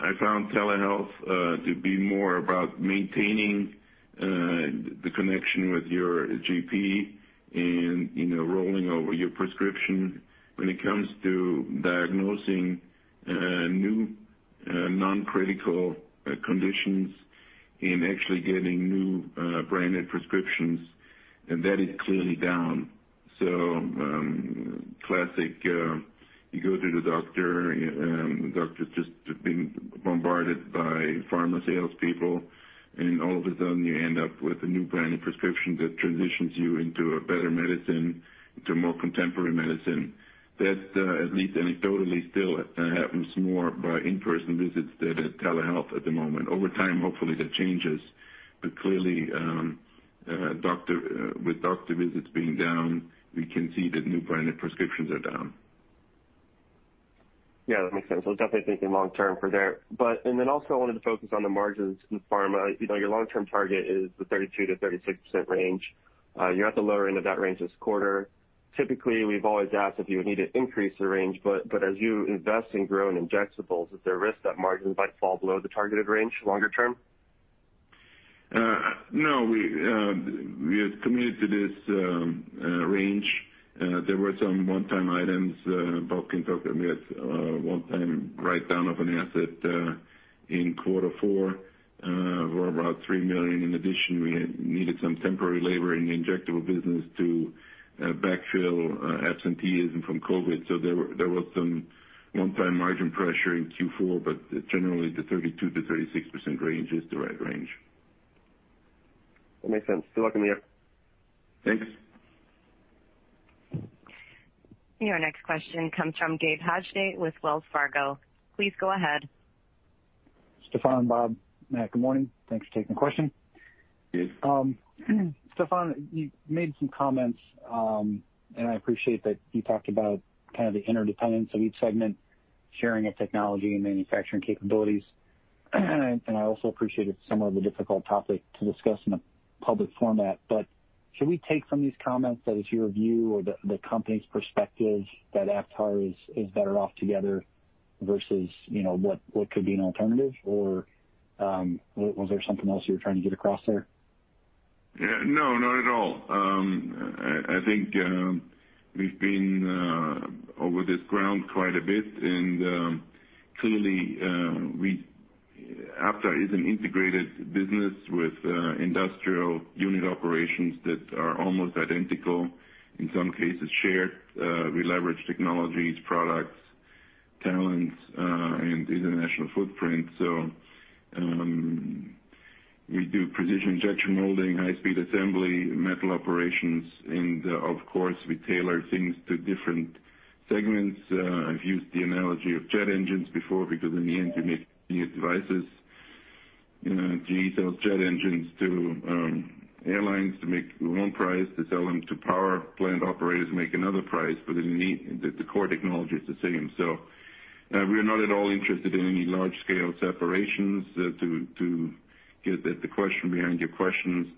I found telehealth to be more about maintaining the connection with your GP and rolling over your prescription. When it comes to diagnosing new non-critical conditions and actually getting new brand name prescriptions, that is clearly down. Classic, you go to the doctor, the doctor's just being bombarded by pharma salespeople, and all of a sudden, you end up with a new brand name prescription that transitions you into a better medicine, into more contemporary medicine. That, at least anecdotally, still happens more by in-person visits than at telehealth at the moment. Over time, hopefully that changes, but clearly, with doctor visits being down, we can see that new brand name prescriptions are down. Yeah, that makes sense. Definitely thinking long term for there. Also I wanted to focus on the margins in Pharma. Your long-term target is the 32%-36% range. You're at the lower end of that range this quarter. Typically, we've always asked if you would need to increase the range, as you invest and grow in injectables, is there a risk that margins might fall below the targeted range longer term? No, we have committed to this range. Bob can talk, we had a one-time write-down of an asset in quarter four of around $3 million. In addition, we needed some temporary labor in the injectable business to backfill absenteeism from COVID. There was some one-time margin pressure in Q4, but generally, the 32%-36% range is the right range. That makes sense. Good luck in the year. Thanks. Your next question comes from Gabe Hajde with Wells Fargo. Please go ahead. Stephan, Bob. Good morning. Thanks for taking the question. Good. Stephan, you made some comments, and I appreciate that you talked about the interdependence of each segment, sharing of technology and manufacturing capabilities. I also appreciate it's somewhat of a difficult topic to discuss in a public format, but should we take from these comments that it's your view or the company's perspective that Aptar is better off together versus what could be an alternative? Was there something else you were trying to get across there? No, not at all. I think we've been over this ground quite a bit. Clearly Aptar is an integrated business with industrial unit operations that are almost identical, in some cases shared. We leverage technologies, products, talents, and international footprint. We do precision injection molding, high-speed assembly, metal operations, and of course, we tailor things to different segments. I've used the analogy of jet engines before because in the end you make devices. GE sells jet engines to airlines to make one price, they sell them to power plant operators to make another price. The core technology is the same. We are not at all interested in any large-scale separations. To get at the question behind your questions,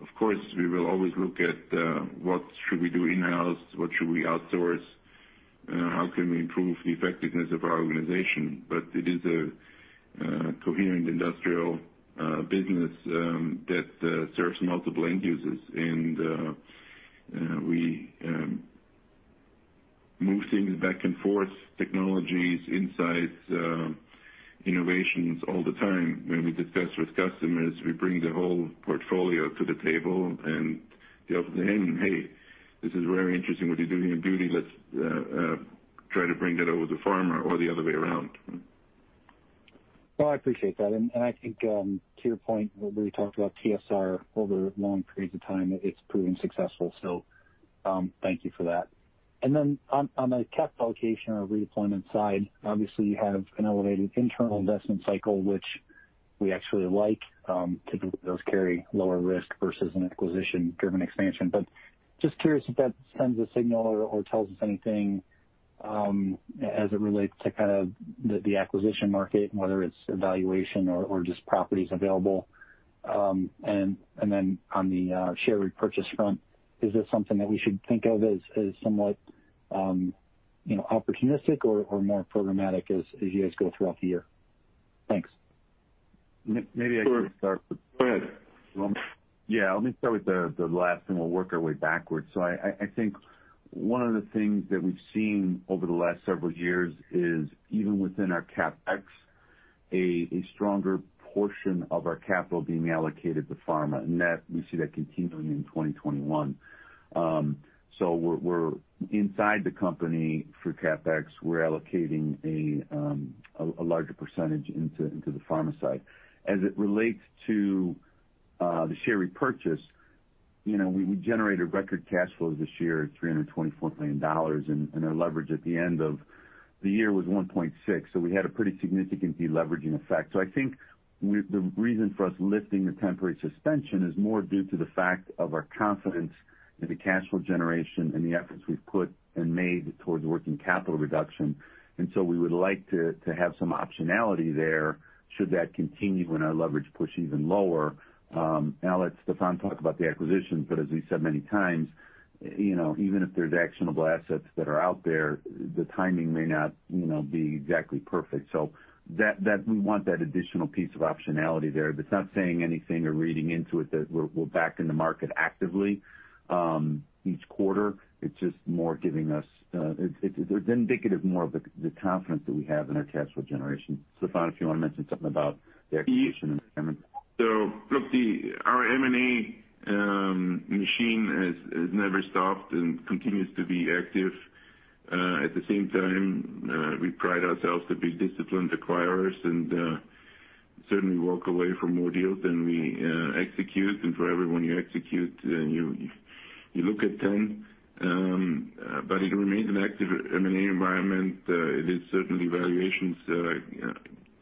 of course, we will always look at what should we do in-house, what should we outsource, how can we improve the effectiveness of our organization. It is a coherent industrial business that serves multiple end users. We move things back and forth, technologies, insights, innovations all the time. When we discuss with customers, we bring the whole portfolio to the table and they often say, "Hey, this is very interesting what you're doing in beauty. Let's try to bring that over to pharma," or the other way around. Well, I appreciate that. I think, to your point where we talked about TSR over long periods of time, it's proven successful. Thank you for that. On the capital allocation or redeployment side, obviously you have an elevated internal investment cycle, which we actually like. Typically, those carry lower risk versus an acquisition-driven expansion. Just curious if that sends a signal or tells us anything, as it relates to the acquisition market, whether it's valuation or just properties available. On the share repurchase front, is this something that we should think of as somewhat opportunistic or more programmatic as you guys go throughout the year? Thanks. Maybe I could start with- Go ahead. Yeah, let me start with the last, and we'll work our way backward. I think one of the things that we've seen over the last several years is even within our CapEx, a stronger portion of our capital being allocated to Pharma. That we see that continuing in 2021. Inside the company, for CapEx, we're allocating a larger percentage into the Pharma side. As it relates to the share repurchase, we generated record cash flows this year at $324 million, and our leverage at the end of the year was 1.6x. I think the reason for us lifting the temporary suspension is more due to the fact of our confidence in the cash flow generation and the efforts we've put and made towards working capital reduction. We would like to have some optionality there should that continue and our leverage push even lower. I'll let Stephan talk about the acquisitions, but as we've said many times, even if there's actionable assets that are out there, the timing may not be exactly perfect. We want that additional piece of optionality there. That's not saying anything or reading into it that we're back in the market actively each quarter. It's indicative more of the confidence that we have in our cash flow generation. Stephan, if you want to mention something about the acquisition environment. Look, our M&A machine has never stopped and continues to be active. At the same time, we pride ourselves to be disciplined acquirers and certainly walk away from more deals than we execute. For every one you execute, you look at 10. It remains an active M&A environment. It is certainly valuations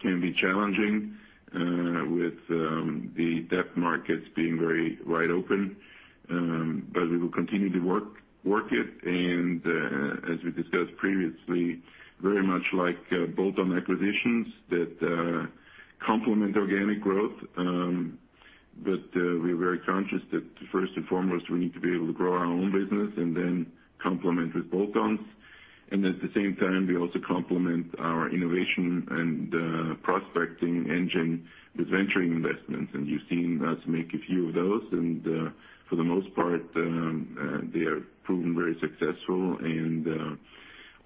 can be challenging with the debt markets being very wide open. We will continue to work it, and as we discussed previously, very much like bolt-on acquisitions that complement organic growth. We are very conscious that first and foremost, we need to be able to grow our own business and then complement with bolt-ons. At the same time, we also complement our innovation and prospecting engine with venturing investments. You've seen us make a few of those, and for the most part, they have proven very successful and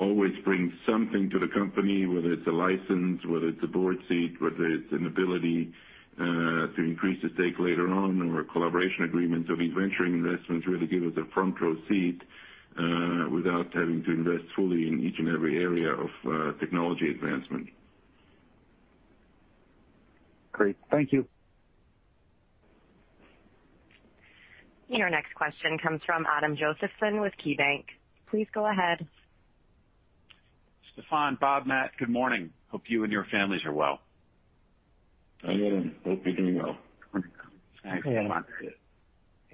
always bring something to the company, whether it's a license, whether it's a board seat, whether it's an ability to increase the stake later on or a collaboration agreement. These venturing investments really give us a front-row seat without having to invest fully in each and every area of technology advancement. Great. Thank you. Your next question comes from Adam Josephson with KeyBank. Please go ahead. Stephan, Bob, Matt, good morning. Hope you and your families are well. Adam, hope you're doing well. Wonderful. Thanks. Hey.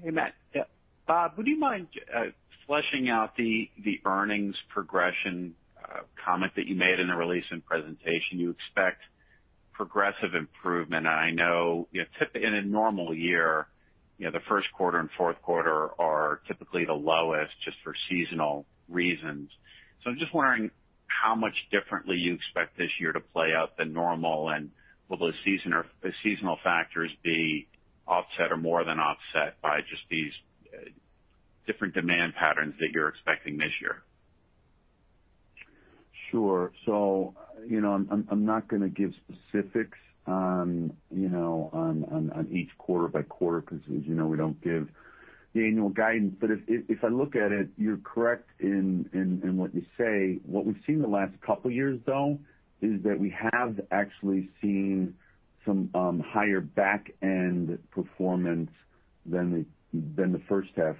Hey, Matt. Yeah. Bob, would you mind fleshing out the earnings progression comment that you made in the release and presentation? I know in a normal year, the first quarter and fourth quarter are typically the lowest just for seasonal reasons. I'm just wondering how much differently you expect this year to play out than normal, and will the seasonal factors be offset or more than offset by just these different demand patterns that you're expecting this year? Sure. I'm not going to give specifics on each quarter by quarter because as you know, we don't give the annual guidance. If I look at it, you're correct in what you say. What we've seen the last couple of years, though, is that we have actually seen some higher back-end performance than the first half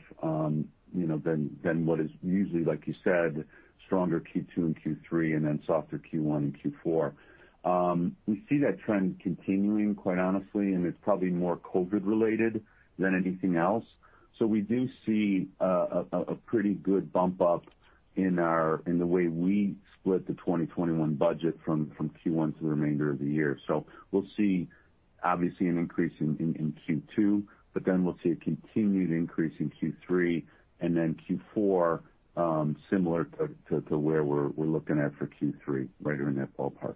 than what is usually, like you said, stronger Q2 and Q3, and then softer Q1 and Q4. We see that trend continuing, quite honestly, and it's probably more COVID related than anything else. We do see a pretty good bump up in the way we split the 2021 budget from Q1 to the remainder of the year. We'll see, obviously, an increase in Q2, but then we'll see a continued increase in Q3, and then Q4 similar to where we're looking at for Q3, right around that ballpark.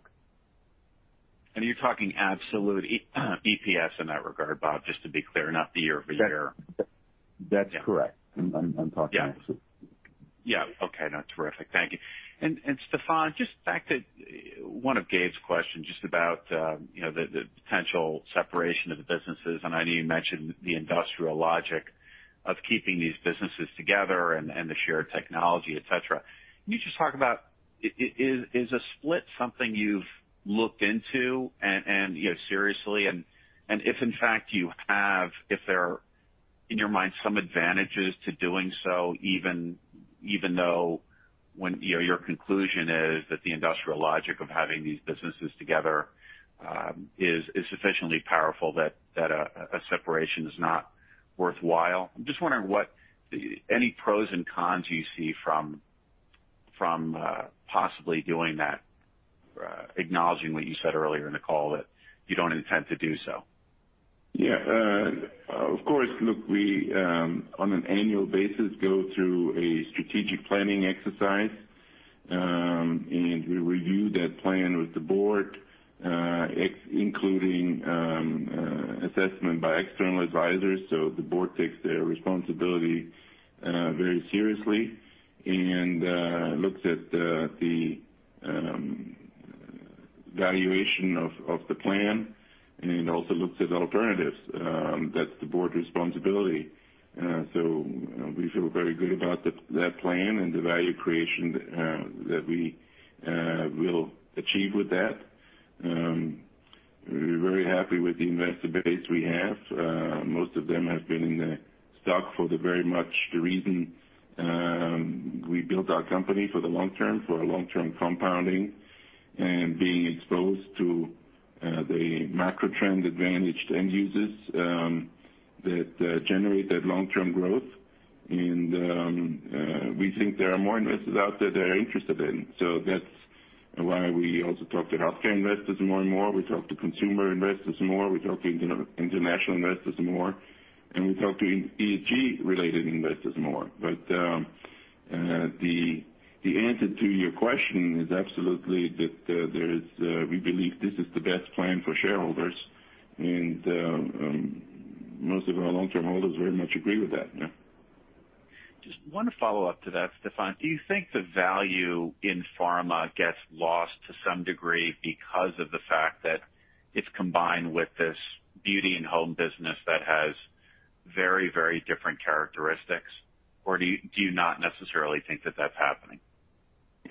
You're talking absolute EPS in that regard, Bob, just to be clear. Not the year-over-year. That's correct. I'm talking absolute. Yeah. Okay. No, terrific. Thank you. Stephan, just back to one of Gabe's questions just about the potential separation of the businesses, and I know you mentioned the industrial logic of keeping these businesses together and the shared technology, et cetera. Can you just talk about, is a split something you've looked into seriously? And if in fact you have, if there are, in your mind, some advantages to doing so, even though your conclusion is that the industrial logic of having these businesses together is sufficiently powerful that a separation is not worthwhile. I'm just wondering any pros and cons you see from possibly doing that, acknowledging what you said earlier in the call that you don't intend to do so. Yeah. Of course. Look, we, on an annual basis, go through a strategic planning exercise. We review that plan with the Board, including assessment by external advisors. The Board takes their responsibility very seriously and looks at the valuation of the plan and also looks at alternatives. That's the Board's responsibility. We feel very good about that plan and the value creation that we will achieve with that. We're very happy with the investor base we have. Most of them have been in the stock for very much the reason we built our company for the long term, for long-term compounding and being exposed to the macro trend advantaged end users that generate that long-term growth. We think there are more investors out there that are interested in, so that's why we also talk to healthcare investors more and more. We talk to consumer investors more. We talk to international investors more, and we talk to ESG-related investors more. The answer to your question is absolutely that we believe this is the best plan for shareholders. Most of our long-term holders very much agree with that. Yeah. Just one follow-up to that, Stephan. Do you think the value in Pharma gets lost to some degree because of the fact that it's combined with this Beauty and Home business that has very different characteristics? Or do you not necessarily think that that's happening?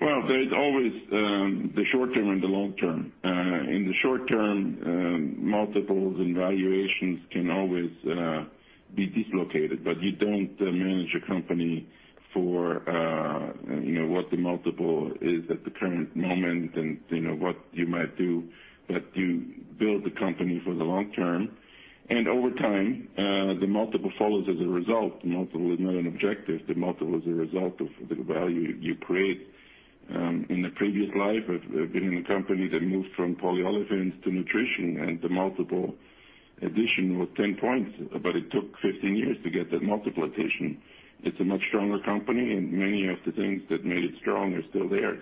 Well, there's always the short term and the long term. In the short term, multiples and valuations can always be dislocated, but you don't manage a company for what the multiple is at the current moment and what you might do, but you build the company for the long term. Over time, the multiple follows as a result. The multiple is not an objective. The multiple is a result of the value you create. In a previous life of being in a company that moved from polyolefins to nutrition, and the multiple addition was 10 points, but it took 15 years to get that multiple addition. It's a much stronger company, and many of the things that made it strong are still there.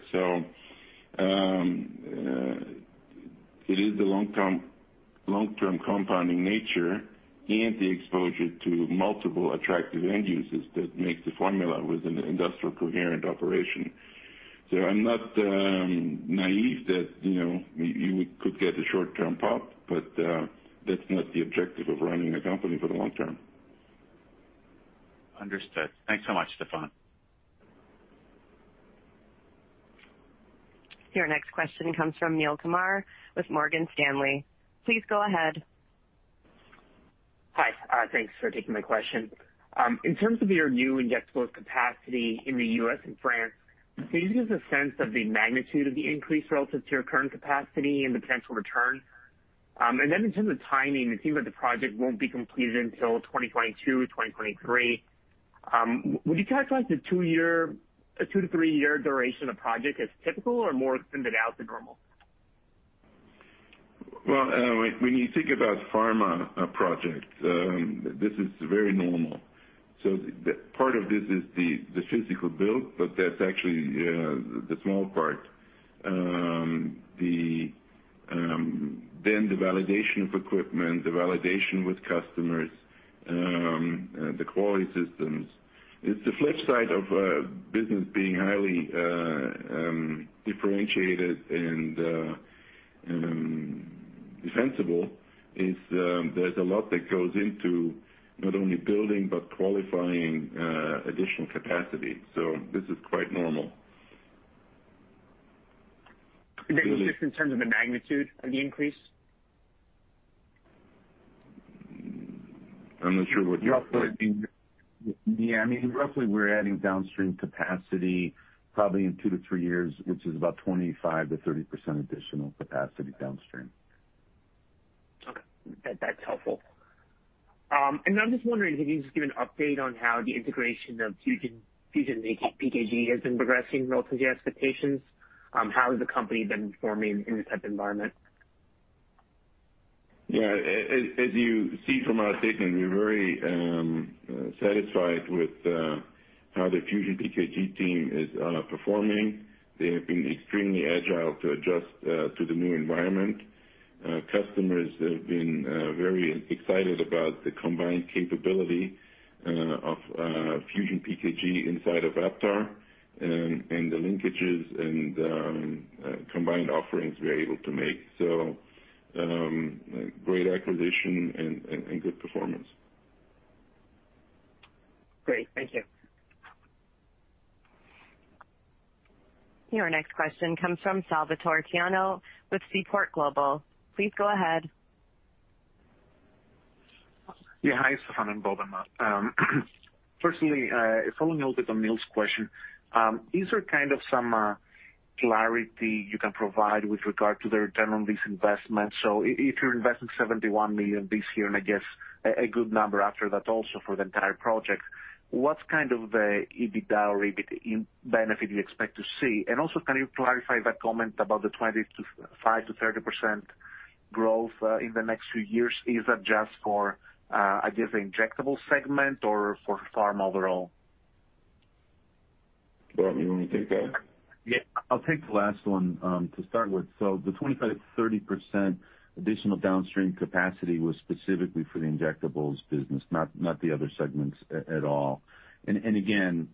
It is the long-term compounding nature and the exposure to multiple attractive end users that makes the formula with an industrial coherent operation. I'm not naive that we could get a short-term pop, but that's not the objective of running a company for the long term. Understood. Thanks so much, Stephan. Your next question comes from Neel Kumar with Morgan Stanley. Please go ahead. Hi. Thanks for taking my question. In terms of your new injectable capacity in the U.S. and France, can you just give us a sense of the magnitude of the increase relative to your current capacity and the potential return? In terms of timing, it seems like the project won't be completed until 2022, 2023. Would you characterize the two, three year duration of the project as typical or more extended out than normal? When you think about Pharma projects, this is very normal. Part of this is the physical build, but that's actually the small part. The validation of equipment, the validation with customers, the quality systems. It's the flip side of a business being highly differentiated and defensible is there's a lot that goes into not only building but qualifying additional capacity. This is quite normal. Just in terms of the magnitude of the increase? I'm not sure what you- Roughly. Yeah, roughly, we're adding downstream capacity probably in two to three years, which is about 25%-30% additional capacity downstream. Okay. That's helpful. I'm just wondering, can you just give an update on how the integration of FusionPKG has been progressing relative to your expectations? How has the company been performing in this type environment? Yeah. As you see from our statement, we're very satisfied with how the FusionPKG team is performing. They have been extremely agile to adjust to the new environment. Customers have been very excited about the combined capability of FusionPKG inside of Aptar and the linkages and combined offerings we're able to make. Great acquisition and good performance. Great. Thank you. Your next question comes from Salvator Tiano with Seaport Global. Please go ahead. Yeah. Hi, Stephan, Bob and Matt. Firstly, following a little bit on Neel's question, is there some clarity you can provide with regard to the return on these investments? If you're investing $71 million this year, and I guess a good number after that also for the entire project, what kind of EBITDA or EBIT benefit do you expect to see? Also, can you clarify that comment about the 25%-30% growth in the next few years, is that just for, I guess, the injectable segment or for Pharma overall? Bob, you want me take that? Yeah, I'll take the last one to start with. The 25%-30% additional downstream capacity was specifically for the injectables business, not the other segments at all. Again,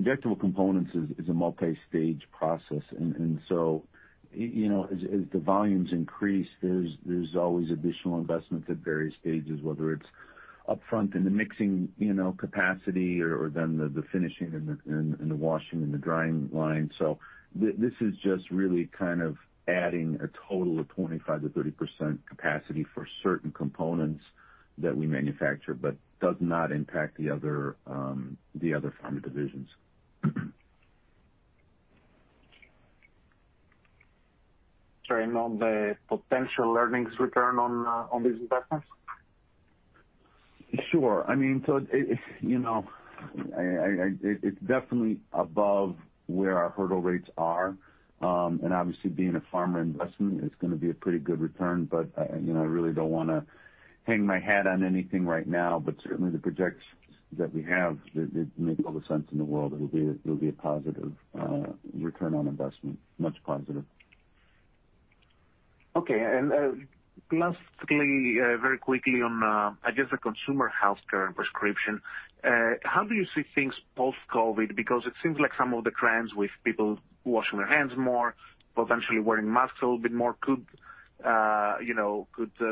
injectable components is a multi-stage process. As the volumes increase, there's always additional investment at various stages, whether it's upfront in the mixing capacity or then the finishing and the washing and the drying line. This is just really kind of adding a total of 25%-30% capacity for certain components that we manufacture, but does not impact the other Pharma divisions. Sorry, on the potential earnings return on these investments? Sure. It's definitely above where our hurdle rates are. Obviously being a pharma investment, it's going to be a pretty good return. I really don't want to hang my hat on anything right now, but certainly the projects that we have, they make all the sense in the world. It'll be a positive return on investment, much positive. Okay. Lastly, very quickly on, I guess the consumer healthcare and prescription, how do you see things post-COVID? Because it seems like some of the trends with people washing their hands more, potentially wearing masks a little bit more could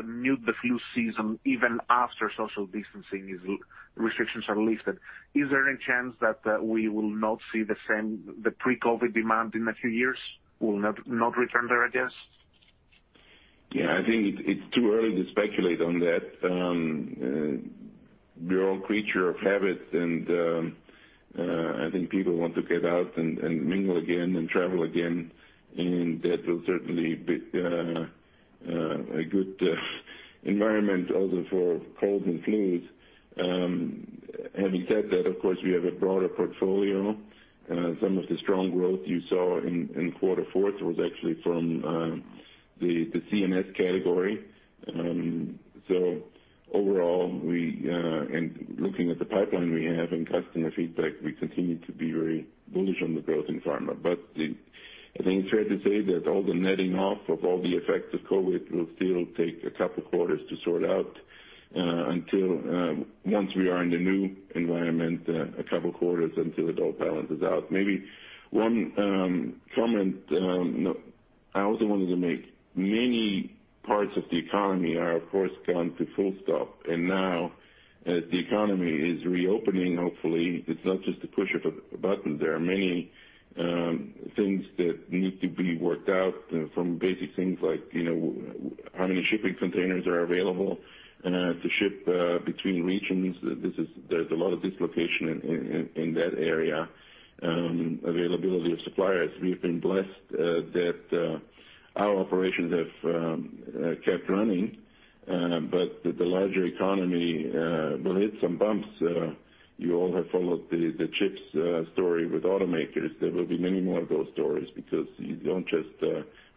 mute the flu season even after social distancing restrictions are lifted. Is there any chance that we will not see the same, the pre-COVID demand in a few years will not return there, I guess? Yeah, I think it's too early to speculate on that. We're all creature of habit and I think people want to get out and mingle again and travel again, and that will certainly be a good environment also for colds and flus. Having said that, of course, we have a broader portfolio. Some of the strong growth you saw in quarter four was actually from the CNS category. Overall, and looking at the pipeline we have and customer feedback, we continue to be very bullish on the growth in Pharma. I think it's fair to say that all the netting off of all the effects of COVID will still take a couple quarters to sort out until once we are in the new environment, a couple quarters until it all balances out. Maybe one comment I also wanted to make. Many parts of the economy are, of course, come to full stop. Now as the economy is reopening, hopefully, it's not just a push of a button. There are many things that need to be worked out from basic things like how many shipping containers are available to ship between regions. There's a lot of dislocation in that area. Availability of suppliers. We've been blessed that our operations have kept running. The larger economy will hit some bumps. You all have followed the chips story with automakers. There will be many more of those stories because you don't just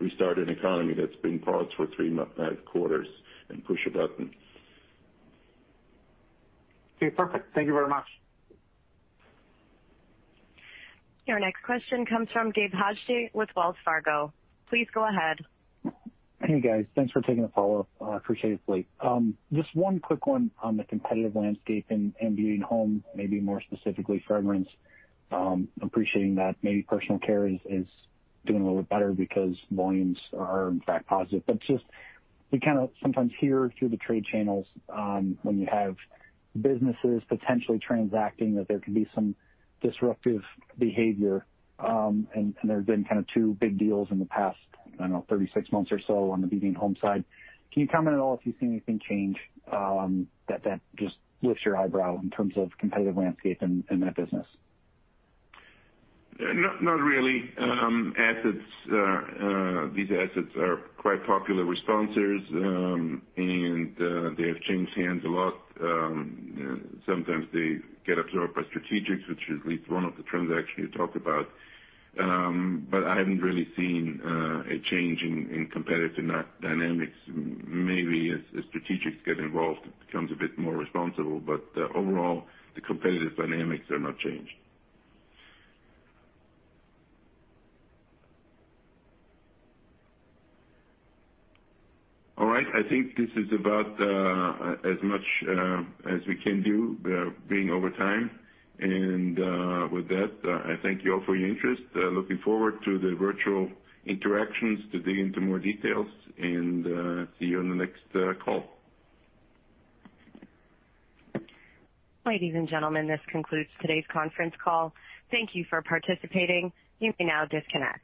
restart an economy that's been paused for three quarters and push a button. Okay, perfect. Thank you very much. Your next question comes from Gabe Hajde with Wells Fargo. Please go ahead. Hey, guys. Thanks for taking the follow-up. I appreciate it. Just one quick one on the competitive landscape in Beauty and Home, maybe more specifically fragrance. Appreciating that maybe personal care is doing a little bit better because volumes are, in fact, positive. Just, we kind of sometimes hear through the trade channels, when you have businesses potentially transacting that there can be some disruptive behavior, and there's been kind of two big deals in the past, I don't know, 36 months or so on the Beauty and Home side. Can you comment at all if you've seen anything change that just lifts your eyebrow in terms of competitive landscape in that business? Not really. These assets are quite popular with sponsors, and they have changed hands a lot. Sometimes they get absorbed by strategics, which is at least one of the trends I actually talked about. I haven't really seen a change in competitive dynamics. Maybe as strategics get involved, it becomes a bit more responsible. Overall, the competitive dynamics are not changed. All right. I think this is about as much as we can do. We are being over time. With that, I thank you all for your interest. Looking forward to the virtual interactions to dig into more details, and see you on the next call. Ladies and gentlemen, this concludes today's conference call. Thank you for participating. You may now disconnect.